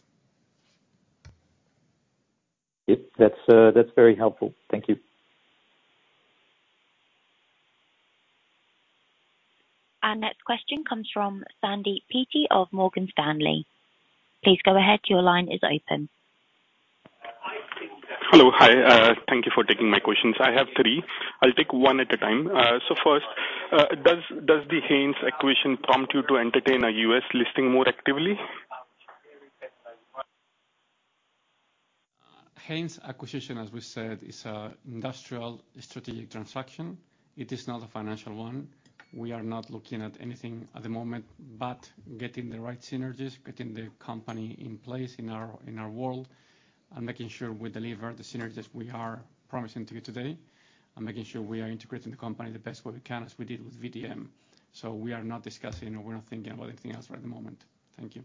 Yes. That's, that's very helpful. Thank you. Our next question comes from Sandeep Peety of Morgan Stanley. Please go ahead. Your line is open. Hello. Hi, thank you for taking my questions. I have three. I'll take one at a time. So first, does the Haynes acquisition prompt you to entertain a U.S. listing more actively? Haynes acquisition, as we said, is an industrial strategic transaction. It is not a financial one. We are not looking at anything at the moment, but getting the right synergies, getting the company in place in our, in our world, and making sure we deliver the synergies we are promising to you today, and making sure we are integrating the company the best way we can, as we did with VDM. So we are not discussing or we're not thinking about anything else right at the moment. Thank you.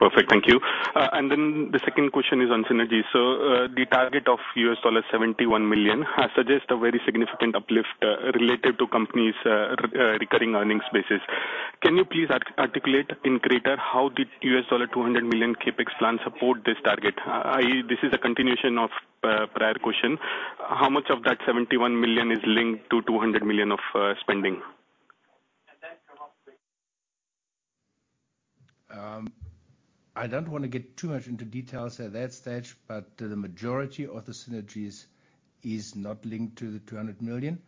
Perfect. Thank you. And then the second question is on synergies. So, the target of $71 million has suggest a very significant uplift, related to company's recurring earnings basis. Can you please articulate in greater how the $200 million CapEx plan support this target? I.e., this is a continuation of prior question. How much of that $71 million is linked to $200 million of spending? I don't want to get too much into details at that stage, but the majority of the synergies is not linked to the $200 million.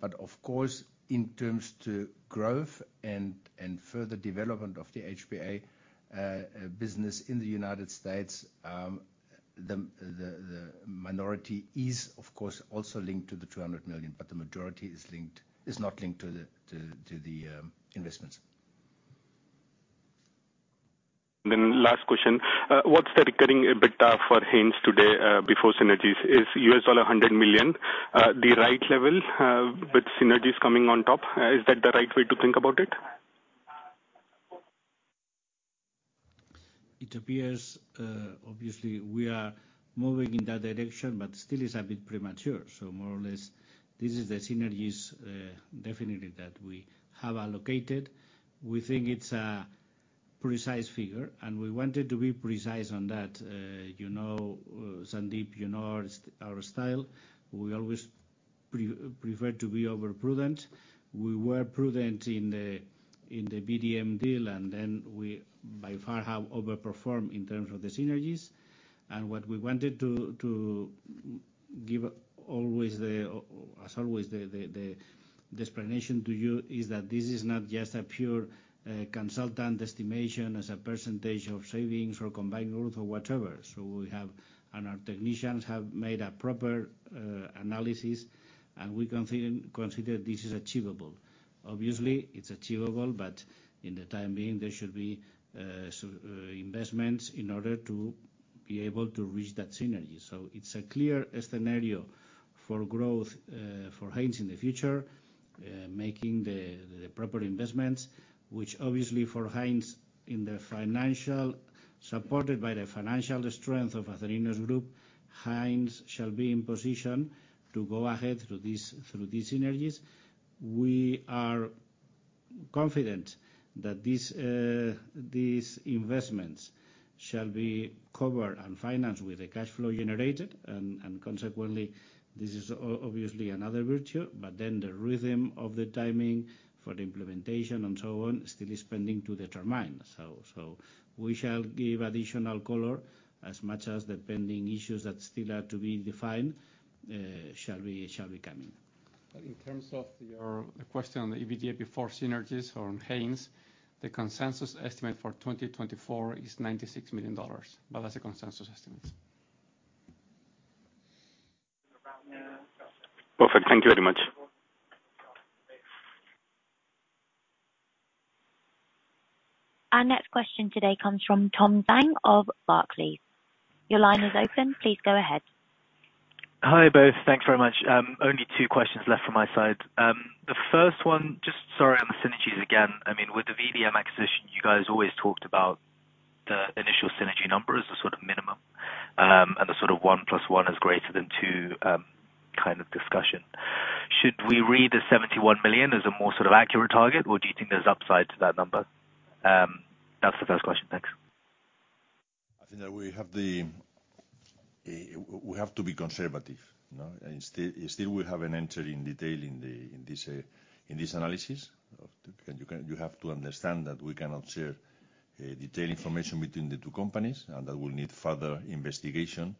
But of course, in terms to growth and further development of the HPA business in the United States, the minority is, of course, also linked to the $200 million, but the majority is linked is not linked to the investments. Then last question. What's the recurring EBITDA for Haynes today, before synergies? Is $100 million the right level, with synergies coming on top, is that the right way to think about it? It appears, obviously we are moving in that direction, but still is a bit premature. So more or less, this is the synergies, definitely that we have allocated. We think it's a precise figure, and we wanted to be precise on that. You know, Sandeep, you know our style. We always prefer to be overprudent. We were prudent in the, in the VDM deal, and then we by far have overperformed in terms of the synergies. And what we wanted to give always as always, the explanation to you, is that this is not just a pure consultant estimation as a percentage of savings or combined growth or whatever. So we have... And our technicians have made a proper analysis, and we consider this is achievable. Obviously, it's achievable, but in the meantime, there should be investments in order to be able to reach that synergy. It's a clear scenario for growth for Haynes in the future, making the proper investments, which obviously for Haynes financially, supported by the financial strength of Acerinox Group, Haynes shall be in position to go ahead through these synergies. We are confident that these investments shall be covered and financed with the cash flow generated, and consequently, this is obviously another virtue. But then the rhythm of the timing for the implementation and so on still is pending to determine. We shall give additional color as much as the pending issues that still are to be defined shall be coming. In terms of your question on the EBITDA before synergies on Haynes, the consensus estimate for 2024 is $96 million, but that's a consensus estimate. Perfect. Thank you very much. Our next question today comes from Tom Zhang of Barclays. Your line is open. Please go ahead. Hi, both. Thank you very much. Only two questions left from my side. The first one, just sorry, on the synergies again. I mean, with the VDM acquisition, you guys always talked about the initial synergy number as a sort of minimum, and the sort of one plus one is greater than two, kind of discussion. Should we read the 71 million as a more sort of accurate target, or do you think there's upside to that number? That's the first question. Thanks. I think that we have to be conservative, you know? And still, we have an entry in detail in this analysis. And you have to understand that we cannot share detailed information between the two companies, and that will need further investigation,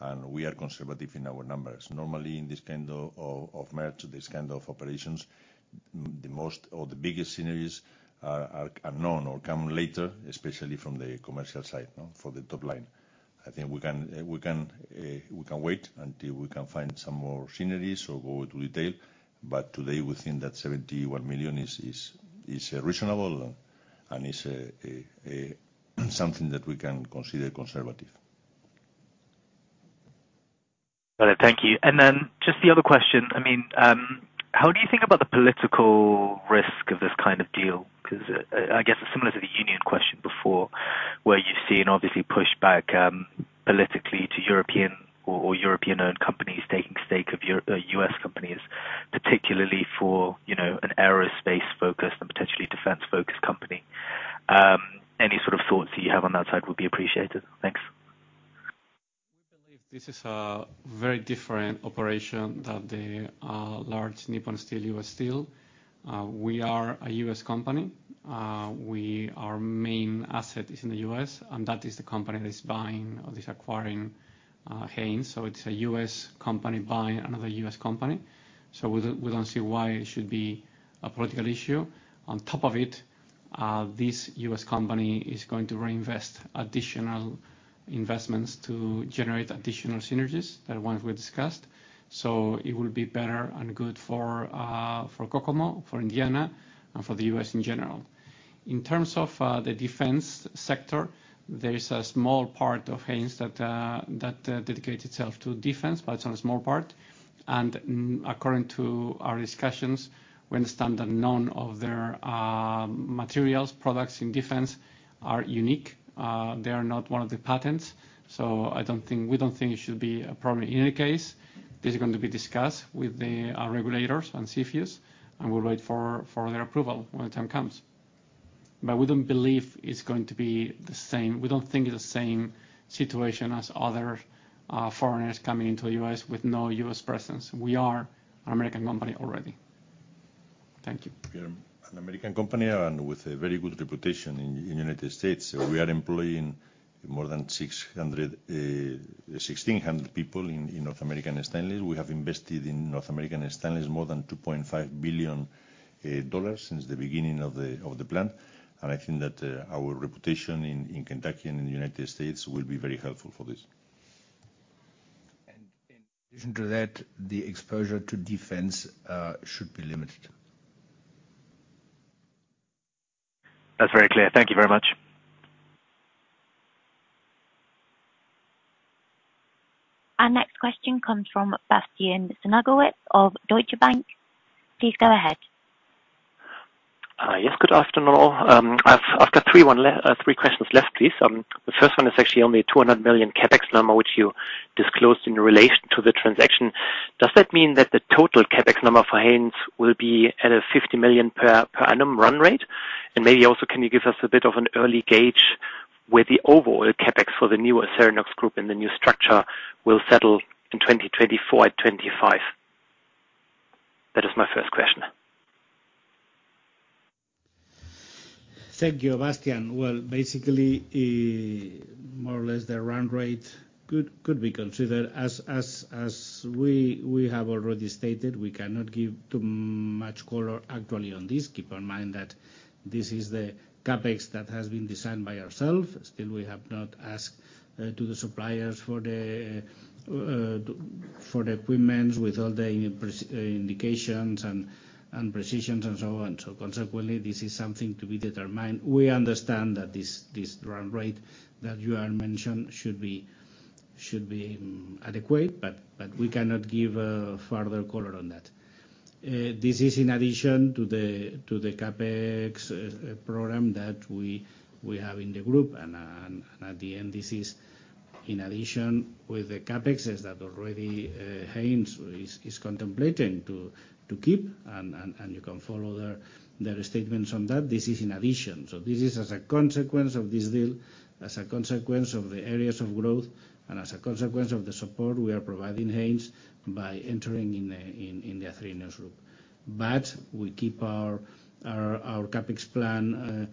and we are conservative in our numbers. Normally, in this kind of merger, this kind of operations, the most or the biggest synergies are known or come later, especially from the commercial side, no? For the top line. I think we can wait until we can find some more synergies or go into detail. But today, we think that $71 million is reasonable and is something that we can consider conservative. Got it. Thank you. And then just the other question. I mean, how do you think about the political risk of this kind of deal? Because I guess it's similar to the union question before, where you've seen obviously push back politically to European or European-owned companies taking stake of US companies, particularly for, you know, an aerospace focus and potentially defense-focused company. Any sort of thoughts you have on that side would be appreciated. Thanks. We believe this is a very different operation than the large Nippon Steel, U.S. Steel. We are a U.S. company. Our main asset is in the U.S., and that is the company that is buying or is acquiring Haynes. So it's a U.S. company buying another U.S. company. So we don't see why it should be a political issue. On top of it, this U.S. company is going to reinvest additional investments to generate additional synergies, the ones we discussed. So it will be better and good for Kokomo, for Indiana, and for the U.S. in general. In terms of the defense sector, there is a small part of Haynes that dedicates itself to defense, but it's a small part. According to our discussions, we understand that none of their materials, products in defense are unique. They are not one of the patents, so I don't think, we don't think it should be a problem. In any case, this is going to be discussed with our regulators on CFIUS, and we'll wait for their approval when the time comes... but we don't believe it's going to be the same. We don't think it's the same situation as other foreigners coming into the U.S. with no U.S. presence. We are an American company already. Thank you. We are an American company and with a very good reputation in, in United States. We are employing more than 600, 1,600 people in, in North American Stainless. We have invested in North American Stainless more than $2.5 billion since the beginning of the, of the plant. I think that our reputation in, in Kentucky and in the United States will be very helpful for this. In addition to that, the exposure to defense should be limited. That's very clear. Thank you very much. Our next question comes from Bastian Synagowitz of Deutsche Bank. Please go ahead. Yes, good afternoon all. I've got three one left, three questions left, please. The first one is actually on the $200 million CapEx number, which you disclosed in relation to the transaction. Does that mean that the total CapEx number for Haynes will be at a $50 million per annum run rate? And maybe also, can you give us a bit of an early gauge where the overall CapEx for the newer Acerinox Group and the new structure will settle in 2024 and 2025? That is my first question. Thank you, Bastian. Well, basically, more or less the run rate could be considered. As we have already stated, we cannot give too much color actually on this. Keep in mind that this is the CapEx that has been designed by ourselves. Still, we have not asked to the suppliers for the equipment with all the precise indications and precisions and so on. So consequently, this is something to be determined. We understand that this run rate that you mentioned should be adequate, but we cannot give a further color on that. This is in addition to the CapEx program that we have in the group, and at the end, this is in addition with the CapExes that already Haynes is contemplating to keep. You can follow their statements on that. This is in addition. So this is as a consequence of this deal, as a consequence of the areas of growth, and as a consequence of the support we are providing Haynes by entering in the Acerinox Group. But we keep our CapEx plan,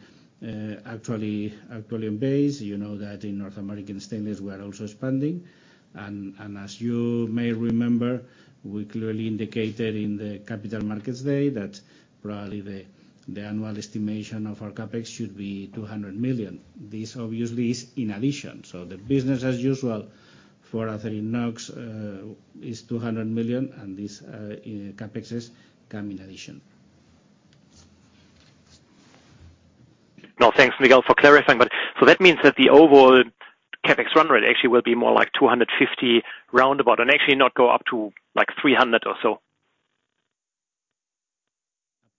actually in base. You know that in North American Stainless, we are also expanding. As you may remember, we clearly indicated in the Capital Markets Day that probably the annual estimation of our CapEx should be 200 million. This obviously is in addition, so the business as usual for Acerinox is $200 million, and these CapExes come in addition. No, thanks, Miguel, for clarifying. But so that means that the overall CapEx run rate actually will be more like 250 roundabout and actually not go up to, like, 300 or so?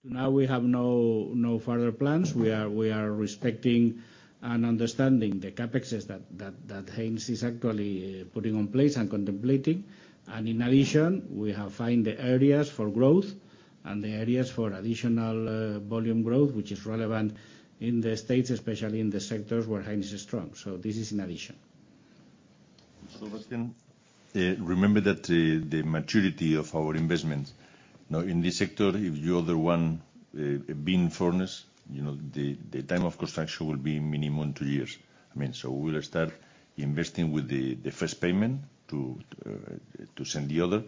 Now we have no further plans. We are respecting and understanding the CapExes that Haynes is actually putting in place and contemplating. And in addition, we have found the areas for growth and the areas for additional volume growth, which is relevant in the States, especially in the sectors where Haynes is strong. So this is an addition. So, Bastian, remember that the maturity of our investments now in this sector, if you're the one building furnace, you know, the time of construction will be minimum two years. I mean, so we'll start investing with the first payment to send the order.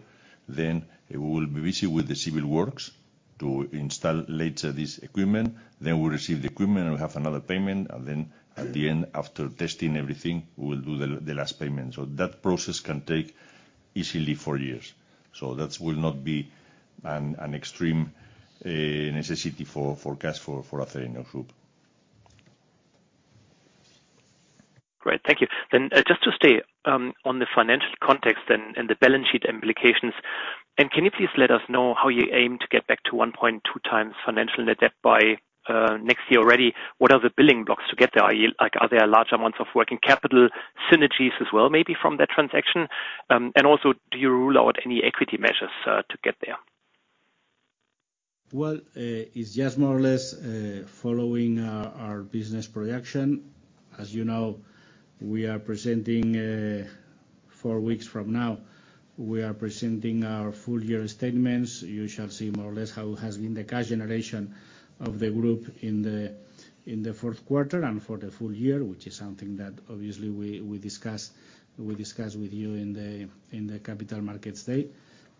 Then we will be busy with the civil works to install later this equipment. Then we receive the equipment, and we have another payment, and then at the end, after testing everything, we will do the last payment. So that process can take easily four years, so that will not be an extreme necessity for forecast for Acerinox Group. Great, thank you. Then, just to stay on the financial context and, and the balance sheet implications, and can you please let us know how you aim to get back to 1.2x financial net debt by next year already? What are the building blocks to get there? Are you—like, are there large amounts of working capital synergies as well, maybe from that transaction? And also, do you rule out any equity measures to get there? Well, it's just more or less following our business projection. As you know, we are presenting four weeks from now our full year statements. You shall see more or less how has been the cash generation of the group in the Q4 and for the full year, which is something that obviously we discussed with you in the Capital Markets Day.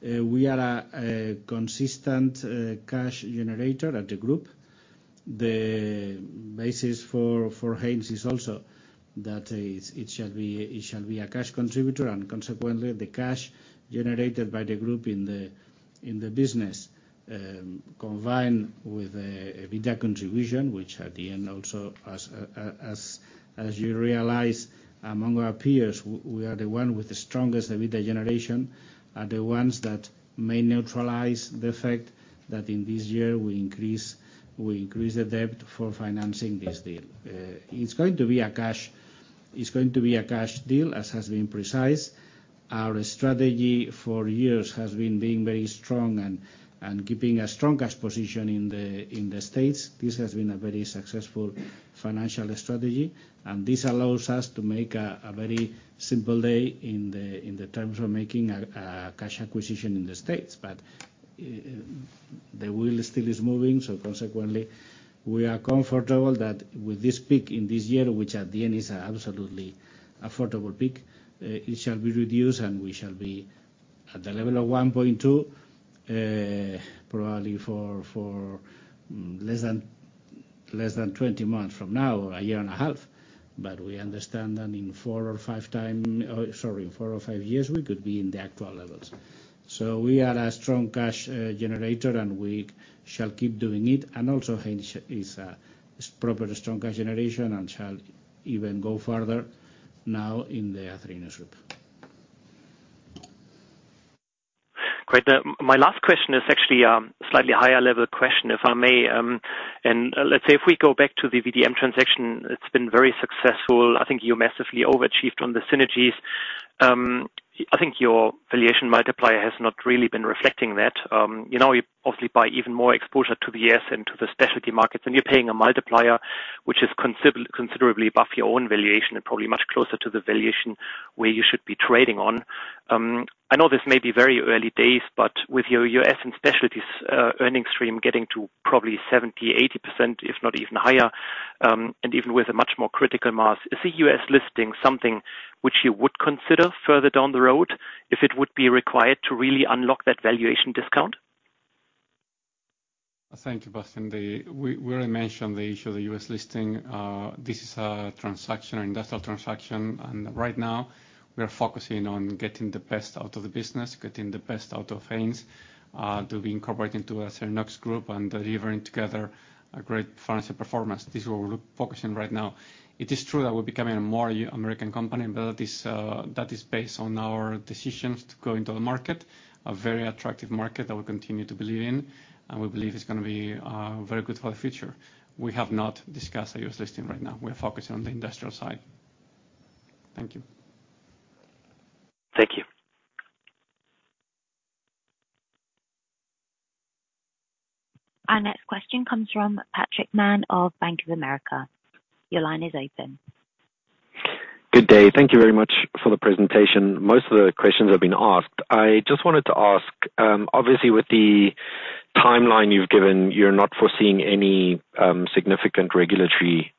We are a consistent cash generator at the group. The basis for Haynes is also that it shall be a cash contributor, and consequently, the cash generated by the group in the business, combined with EBITDA contribution, which at the end also, as you realize, among our peers, we are the one with the strongest EBITDA generation and the ones that may neutralize the fact that in this year, we increase the debt for financing this deal. It's going to be a cash- ... It's going to be a cash deal, as has been previously. Our strategy for years has been being very strong and keeping a strong cash position in the States. This has been a very successful financial strategy, and this allows us to make a very simple deal in the terms of making a cash acquisition in the States. But the deal still is moving, so consequently, we are comfortable that with this peak in this year, which at the end is absolutely affordable peak, it shall be reduced, and we shall be at the level of 1.2, probably for less than 20 months from now, a year and a half. But we understand that in 4 or 5 years, we could be in the actual levels. We are a strong cash generator, and we shall keep doing it. Also, Haynes is probably a strong cash generation and shall even go further now in the Acerinox Group. Great. My last question is actually, slightly higher level question, if I may. And let's say, if we go back to the VDM transaction, it's been very successful. I think you massively overachieved on the synergies. I think your valuation multiplier has not really been reflecting that. You know, you obviously buy even more exposure to the U.S. and to the specialty markets, and you're paying a multiplier, which is considerably above your own valuation and probably much closer to the valuation where you should be trading on. I know this may be very early days, but with your U.S. and specialties, earnings stream getting to probably 70%-80%, if not even higher, and even with a much more critical mass, is the U.S. listing something which you would consider further down the road, if it would be required to really unlock that valuation discount? Thanks, Bastian. We already mentioned the issue of the US listing. This is a transaction, industrial transaction, and right now, we are focusing on getting the best out of the business, getting the best out of Haynes, to be incorporated into the Acerinox Group and delivering together a great financial performance. This is what we're focusing right now. It is true that we're becoming a more American company, but that is based on our decisions to go into the market, a very attractive market that we continue to believe in, and we believe it's gonna be very good for the future. We have not discussed the US listing right now. We are focused on the industrial side. Thank you. Thank you. Our next question comes from Patrick Mann of Bank of America. Your line is open. Good day. Thank you very much for the presentation. Most of the questions have been asked. I just wanted to ask, obviously, with the timeline you've given, you're not foreseeing any significant regulatory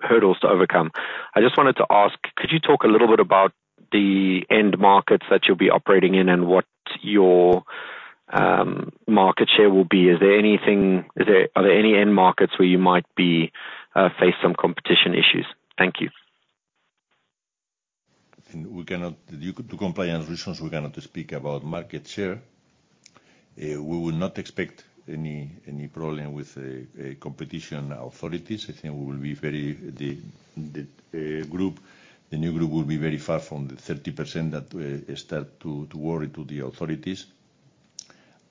hurdles to overcome. I just wanted to ask: Could you talk a little bit about the end markets that you'll be operating in and what your market share will be? Are there any end markets where you might face some competition issues? Thank you. We cannot, due to compliance reasons, we cannot speak about market share. We would not expect any problem with the competition authorities. I think the new group will be very far from the 30% that start to worry the authorities.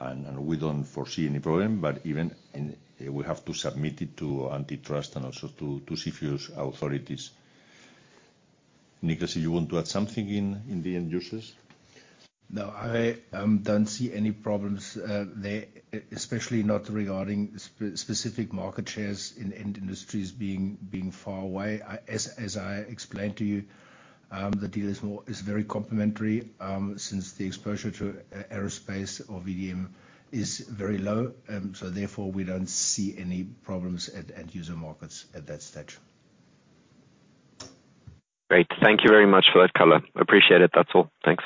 And we don't foresee any problem, but even and we have to submit it to antitrust and also to CFIUS authorities. Nicholas, you want to add something in the end uses? No, I don't see any problems there, especially not regarding specific market shares in end industries being far away. I, as I explained to you, the deal is more is very complementary, since the exposure to aerospace or VDM is very low, so therefore, we don't see any problems at end user markets at that stage. Great. Thank you very much for that color. Appreciate it. That's all. Thanks.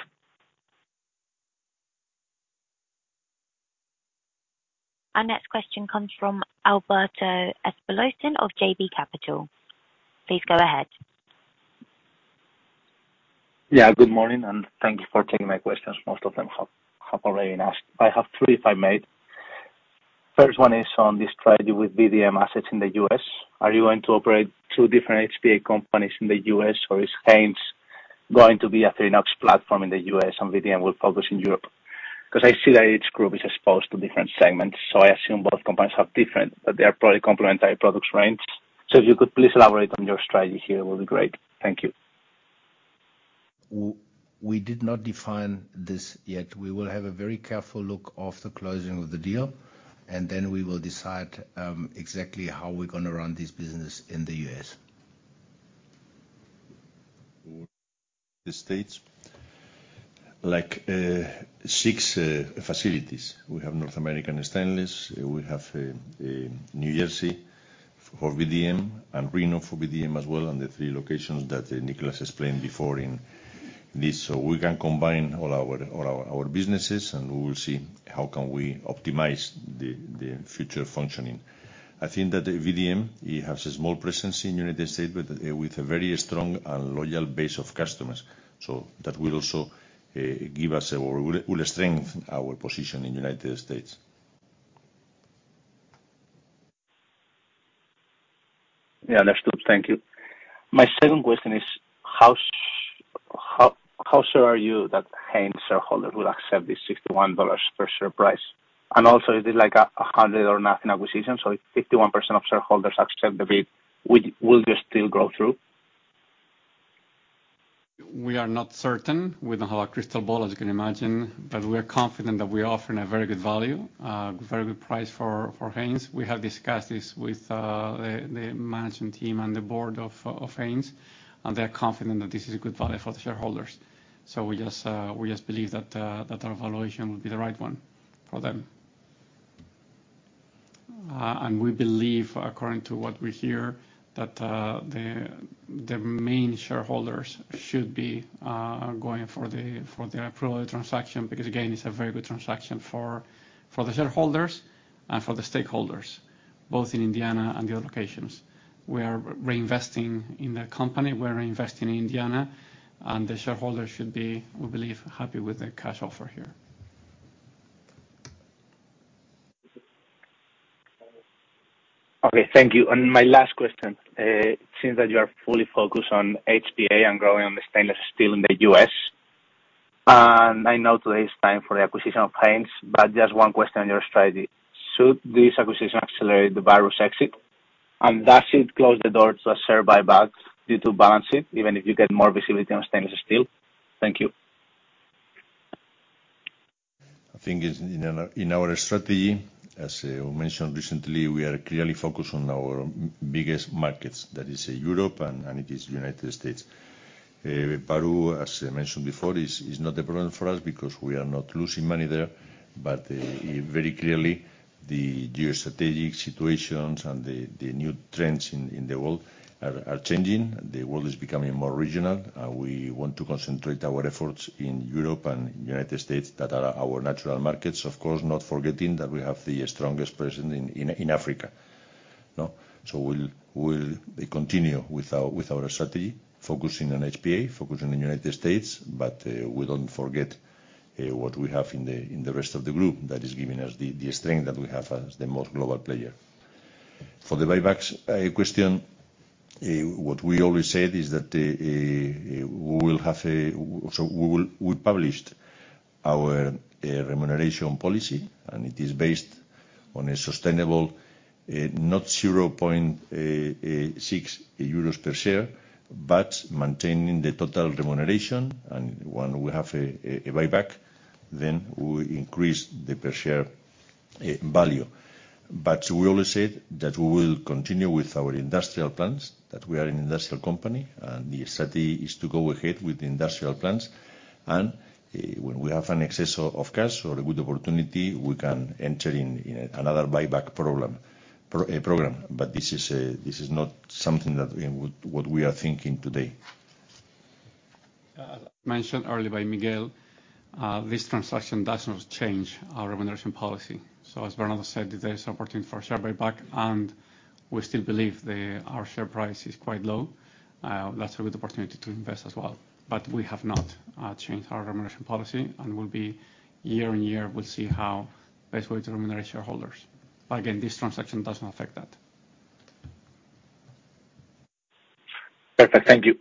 Our next question comes from Alberto Espelosín of JB Capital. Please go ahead. Yeah, good morning, and thank you for taking my questions. Most of them have already been asked. I have three, if I may. First one is on the strategy with VDM assets in the US. Are you going to operate two different HPA companies in the US, or is Haynes going to be an Acerinox platform in the US and VDM will focus in Europe? Because I see that each group is exposed to different segments, so I assume both companies are different, but they are probably complementary products range. So if you could please elaborate on your strategy here, will be great. Thank you. We did not define this yet. We will have a very careful look after closing of the deal, and then we will decide exactly how we're gonna run this business in the US. The States, like, 6 facilities. We have North American Stainless, we have New Jersey for VDM and Reno for VDM as well, and the 3 locations that Niclas explained before in this. So we can combine all our, all our, our businesses, and we will see how we can optimize the future functioning. I think that VDM, it has a small presence in United States, but with a very strong and loyal base of customers. So that will also give us or will strengthen our position in the United States. Yeah, that's good. Thank you. My second question is, how sure are you that Haynes shareholders will accept this $61 per share price? And also, is it like a hundred or nothing acquisition, so if 51% of shareholders accept the bid, will they still go through? We are not certain. We don't have a crystal ball, as you can imagine, but we are confident that we are offering a very good value, very good price for Haynes. We have discussed this with the management team and the board of Haynes, and they're confident that this is a good value for the shareholders. So we just believe that our valuation will be the right one for them. And we believe, according to what we hear, that the main shareholders should be going for the approval of the transaction, because, again, it's a very good transaction for the shareholders and for the stakeholders, both in Indiana and the other locations. We are reinvesting in the company, we're reinvesting in Indiana, and the shareholders should be, we believe, happy with the cash offer here. Okay, thank you. My last question. Seeing that you are fully focused on HPA and growing on the stainless steel in the U.S., and I know today is time for the acquisition of Haynes, but just one question on your strategy: Should this acquisition accelerate the various exit, and does it close the door to a share buyback due to balance sheet, even if you get more visibility on stainless steel? Thank you. I think it's in our strategy, as mentioned recently, we are clearly focused on our biggest markets, that is, Europe and the United States. Peru, as I mentioned before, is not a problem for us because we are not losing money there, but very clearly, the geostrategic situations and the new trends in the world are changing. The world is becoming more regional, and we want to concentrate our efforts in Europe and the United States, that are our natural markets. Of course, not forgetting that we have the strongest presence in Africa, no? So we'll continue with our strategy, focusing on HPA, focusing on United States, but we don't forget what we have in the rest of the group that is giving us the strength that we have as the most global player. For the buybacks question, what we always said is that we will have a... So we will. We published our remuneration policy, and it is based on a sustainable not 0.6 euros per share, but maintaining the total remuneration. And when we have a buyback, then we increase the per share value. But we always said that we will continue with our industrial plans, that we are an industrial company, and the strategy is to go ahead with the industrial plans. And when we have an excess of cash or a good opportunity, we can enter in another buyback program. But this is not something that what we are thinking today. Mentioned earlier by Miguel, this transaction does not change our remuneration policy. So as Bernardo said, if there is opportunity for a share buyback, and we still believe that our share price is quite low, that's a good opportunity to invest as well. But we have not changed our remuneration policy, and year on year, we'll see how best way to remunerate shareholders. But again, this transaction does not affect that. Perfect. Thank you.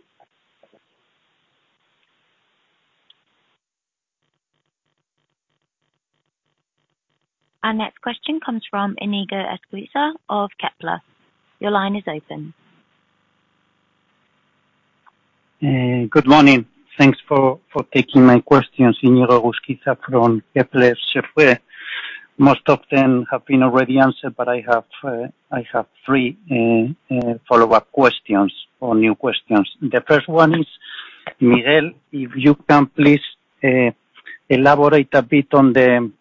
Our next question comes from Iñigo Egusquiza of Kepler. Your line is open. Good morning. Thanks for taking my questions. Iñigo Egusquiza from Kepler Cheuvreux. Most of them have been already answered, but I have three follow-up questions or new questions. The first one is, Miguel, if you can please elaborate a bit on the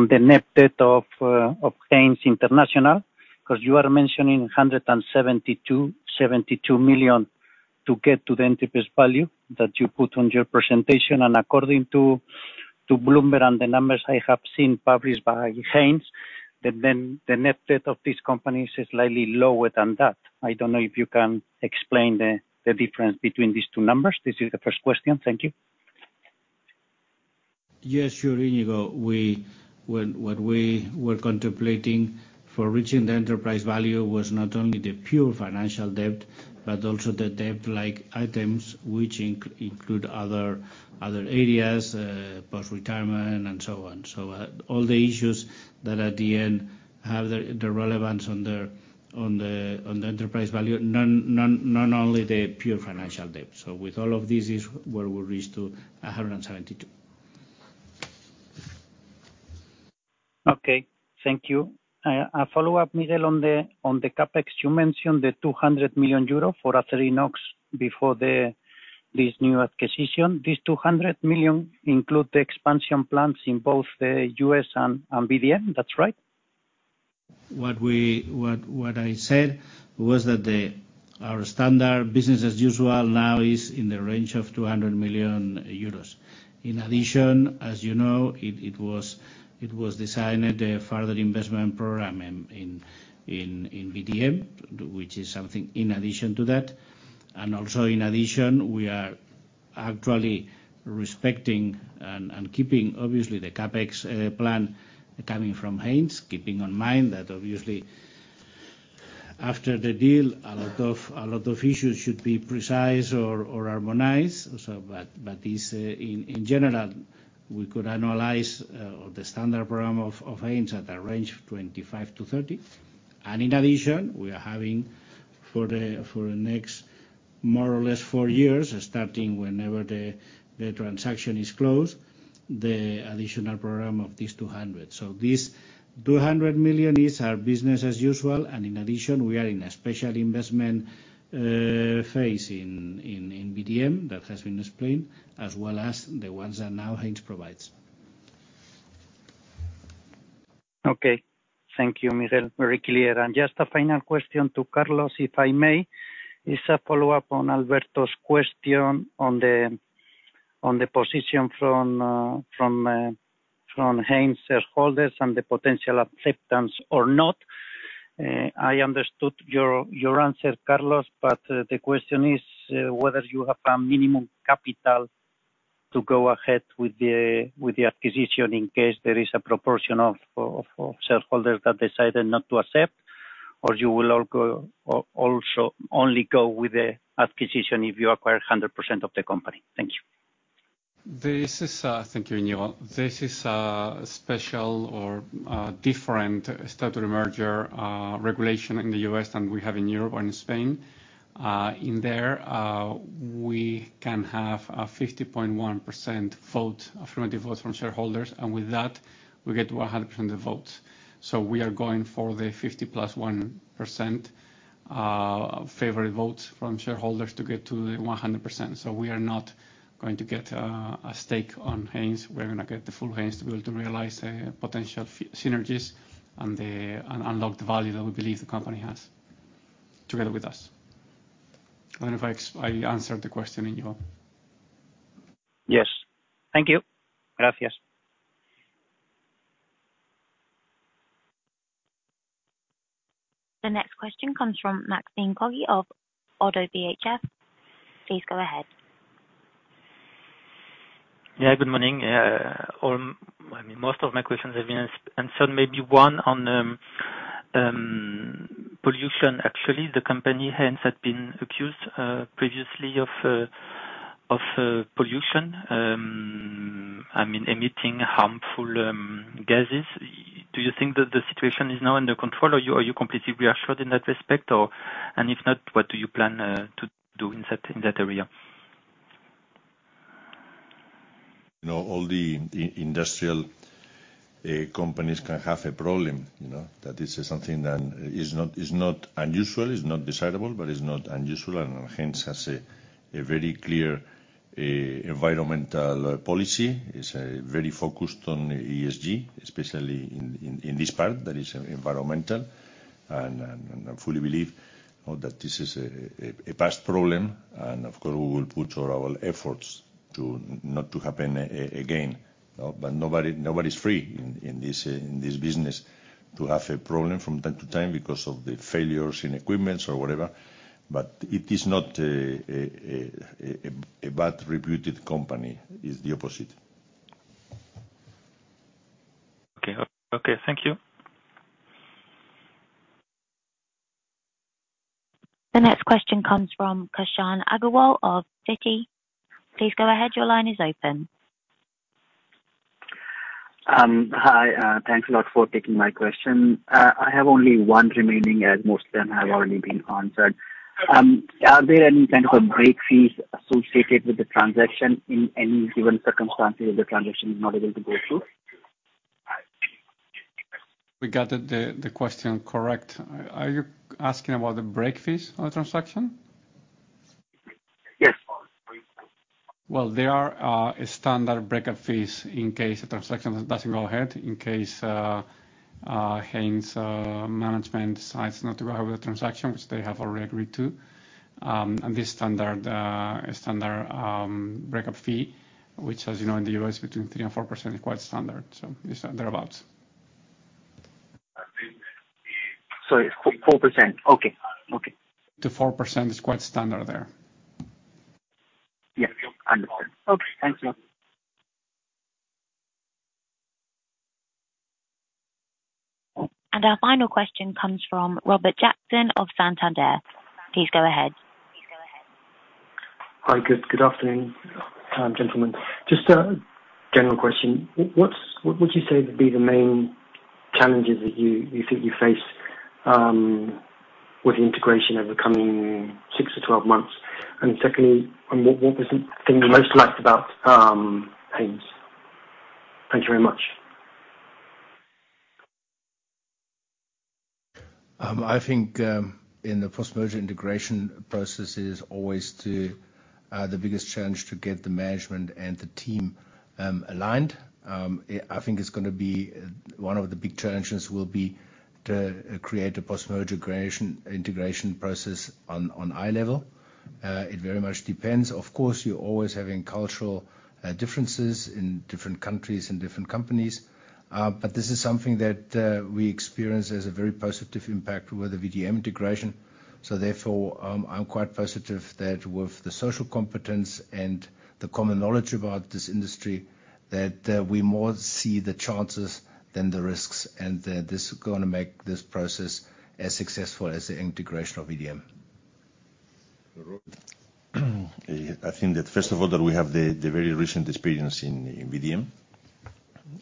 net debt of Haynes International, 'cause you are mentioning $172 million to get to the enterprise value that you put on your presentation. And according to Bloomberg and the numbers I have seen published by Haynes, the net debt of this company is slightly lower than that. I don't know if you can explain the difference between these two numbers. This is the first question. Thank you. Yes, sure, Iñigo. What we were contemplating for reaching the enterprise value was not only the pure financial debt, but also the debt-like items, which include other areas, post-retirement, and so on. So, all the issues that at the end have the relevance on the enterprise value, not only the pure financial debt. So with all of these is where we reach to $172. Okay. Thank you. A follow-up, Miguel, on the CapEx. You mentioned the 200 million euro for Acerinox before this new acquisition. This 200 million include the expansion plans in both the US and VDM, that's right? What I said was that our standard business as usual now is in the range of 200 million euros. In addition, as you know, it was designed a further investment program in VDM, which is something in addition to that. And also in addition, we are actually respecting and keeping obviously the CapEx plan coming from Haynes, keeping in mind that obviously, after the deal, a lot of issues should be precise or harmonized. In general, we could analyze the standard program of Haynes at a range of 25-30 million. And in addition, we are having for the next more or less 4 years, starting whenever the transaction is closed, the additional program of 200 million. These $200 million is our business as usual, and in addition, we are in a special investment phase in VDM that has been explained, as well as the ones that now Haynes provides. Okay. Thank you, Miguel. Very clear. And just a final question to Carlos, if I may? It's a follow-up on Alberto's question on the position from Haynes' shareholders and the potential acceptance or not. I understood your answer, Carlos, but the question is whether you have a minimum capital to go ahead with the acquisition, in case there is a proportion of shareholders that decided not to accept, or you will also only go with the acquisition if you acquire 100% of the company. Thank you. This is... Thank you, Iñigo. This is special or different statutory merger regulation in the U.S. than we have in Europe or in Spain. In there, we can have a 50.1% vote, affirmative vote from shareholders, and with that, we get to 100% of votes. So we are going for the 51%, favorable votes from shareholders to get to the 100%. So we are not going to get a stake in Haynes. We're gonna get the full Haynes to be able to realize potential synergies and unlock the value that we believe the company has together with us. I don't know if I answered the question, Iñigo. Yes. Thank you. Gracias. The next question comes from Maxime Kogge of Oddo BHF. Please go ahead. Yeah, good morning. I mean, most of my questions have been answered, maybe one on pollution. Actually, the company, Haynes, had been accused previously of pollution, I mean, emitting harmful gases. Do you think that the situation is now under control, or are you completely reassured in that respect, or... And if not, what do you plan to do in that area? You know, all the industrial companies can have a problem, you know, that is something that is not, is not unusual, is not desirable, but is not unusual. And Haynes has a very clear environmental policy, is very focused on ESG, especially in this part, that is environmental. And I fully believe that this is a past problem, and of course, we will put all our efforts to not to happen again, but nobody, nobody's free in this business to have a problem from time to time because of the failures in equipment or whatever, but it is not a badly reputed company, is the opposite. Okay. Okay, thank you. The next question comes from Krishan Agarwal of Citi. Please go ahead. Your line is open. Hi, thanks a lot for taking my question. I have only one remaining, as most of them have already been answered. Are there any kind of a breakup fees associated with the transaction in any given circumstances if the transaction is not able to go through? We got it, the question correct. Are you asking about the break fees on the transaction? Yes. Well, there are a standard breakup fees in case the transaction doesn't go ahead, in case, Haynes, management decides not to go ahead with the transaction, which they have already agreed to. And this standard, standard, breakup fee, which, as you know, in the U.S., between 3% and 4%, is quite standard, so it's thereabout. Sorry, 4%? Okay. Okay. To 4% is quite standard there. Yeah. Understood. Okay, thank you. Our final question comes from Robert Jackson of Santander. Please go ahead. Please go ahead. Hi, good afternoon, gentlemen. Just a general question. What would you say would be the main challenges that you think you face with the integration over the coming 6-12 months? And secondly, what was the thing you most liked about Haynes? Thank you very much. I think, in the post-merger integration process is always the biggest challenge to get the management and the team aligned. I think it's gonna be one of the big challenges will be to create a post-merger integration, integration process on eye level. It very much depends, of course, you're always having cultural differences in different countries and different companies, but this is something that we experience as a very positive impact with the VDM integration.... So therefore, I'm quite positive that with the social competence and the common knowledge about this industry, that we more see the chances than the risks, and that this is gonna make this process as successful as the integration of VDM. I think that first of all, we have the very recent experience in VDM,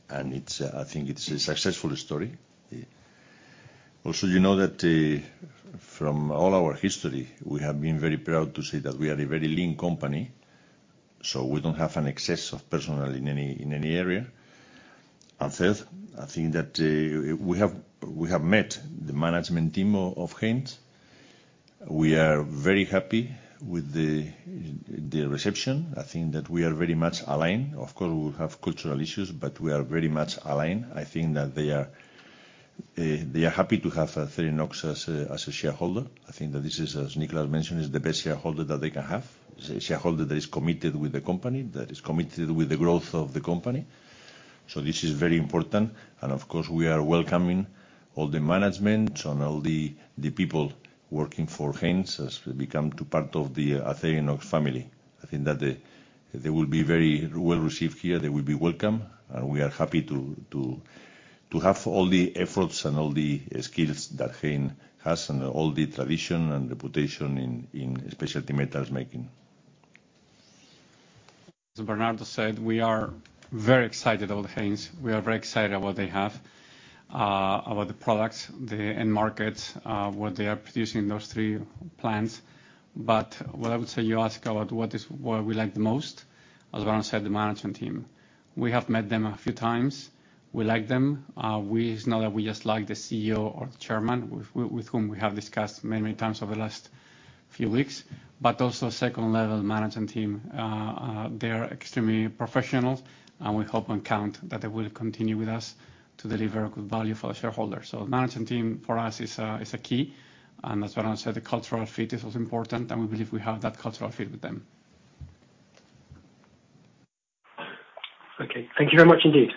and it's, I think it's a successful story. Also, you know that from all our history, we have been very proud to say that we are a very lean company, so we don't have an excess of personnel in any area. And third, I think that we have met the management team of Haynes. We are very happy with the reception. I think that we are very much aligned. Of course, we will have cultural issues, but we are very much aligned. I think that they are happy to have Acerinox as a shareholder. I think that this is, as Niclas mentioned, the best shareholder that they can have. It's a shareholder that is committed with the company, that is committed with the growth of the company, so this is very important. Of course, we are welcoming all the management and all the people working for Haynes as they become a part of the Acerinox family. I think that they will be very well received here. They will be welcome, and we are happy to have all the efforts and all the skills that Haynes has, and all the tradition and reputation in specialty metals making. As Bernardo said, we are very excited about Haynes. We are very excited about what they have, about the products, the end markets, what they are producing in those three plants. But what I would say, you ask about what is, what we like the most, as well as said, the management team. We have met them a few times. We like them. It's not that we just like the CEO or the chairman, with whom we have discussed many, many times over the last few weeks, but also second-level management team. They are extremely professional, and we hope and count that they will continue with us to deliver good value for our shareholders. So management team, for us, is a key. As well as I said, the cultural fit is also important, and we believe we have that cultural fit with them. Okay. Thank you very much indeed.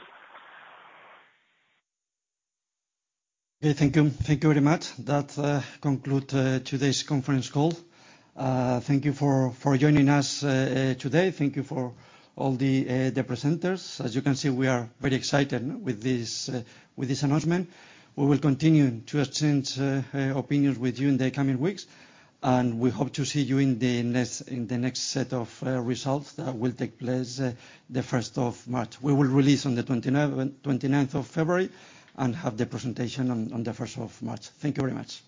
Okay, thank you. Thank you very much. That conclude today's conference call. Thank you for joining us today. Thank you for all the presenters. As you can see, we are very excited with this announcement. We will continue to exchange opinions with you in the coming weeks, and we hope to see you in the next set of results that will take place the 1st of March. We will release on the 29th of February, and have the presentation on the 1st of March. Thank you very much.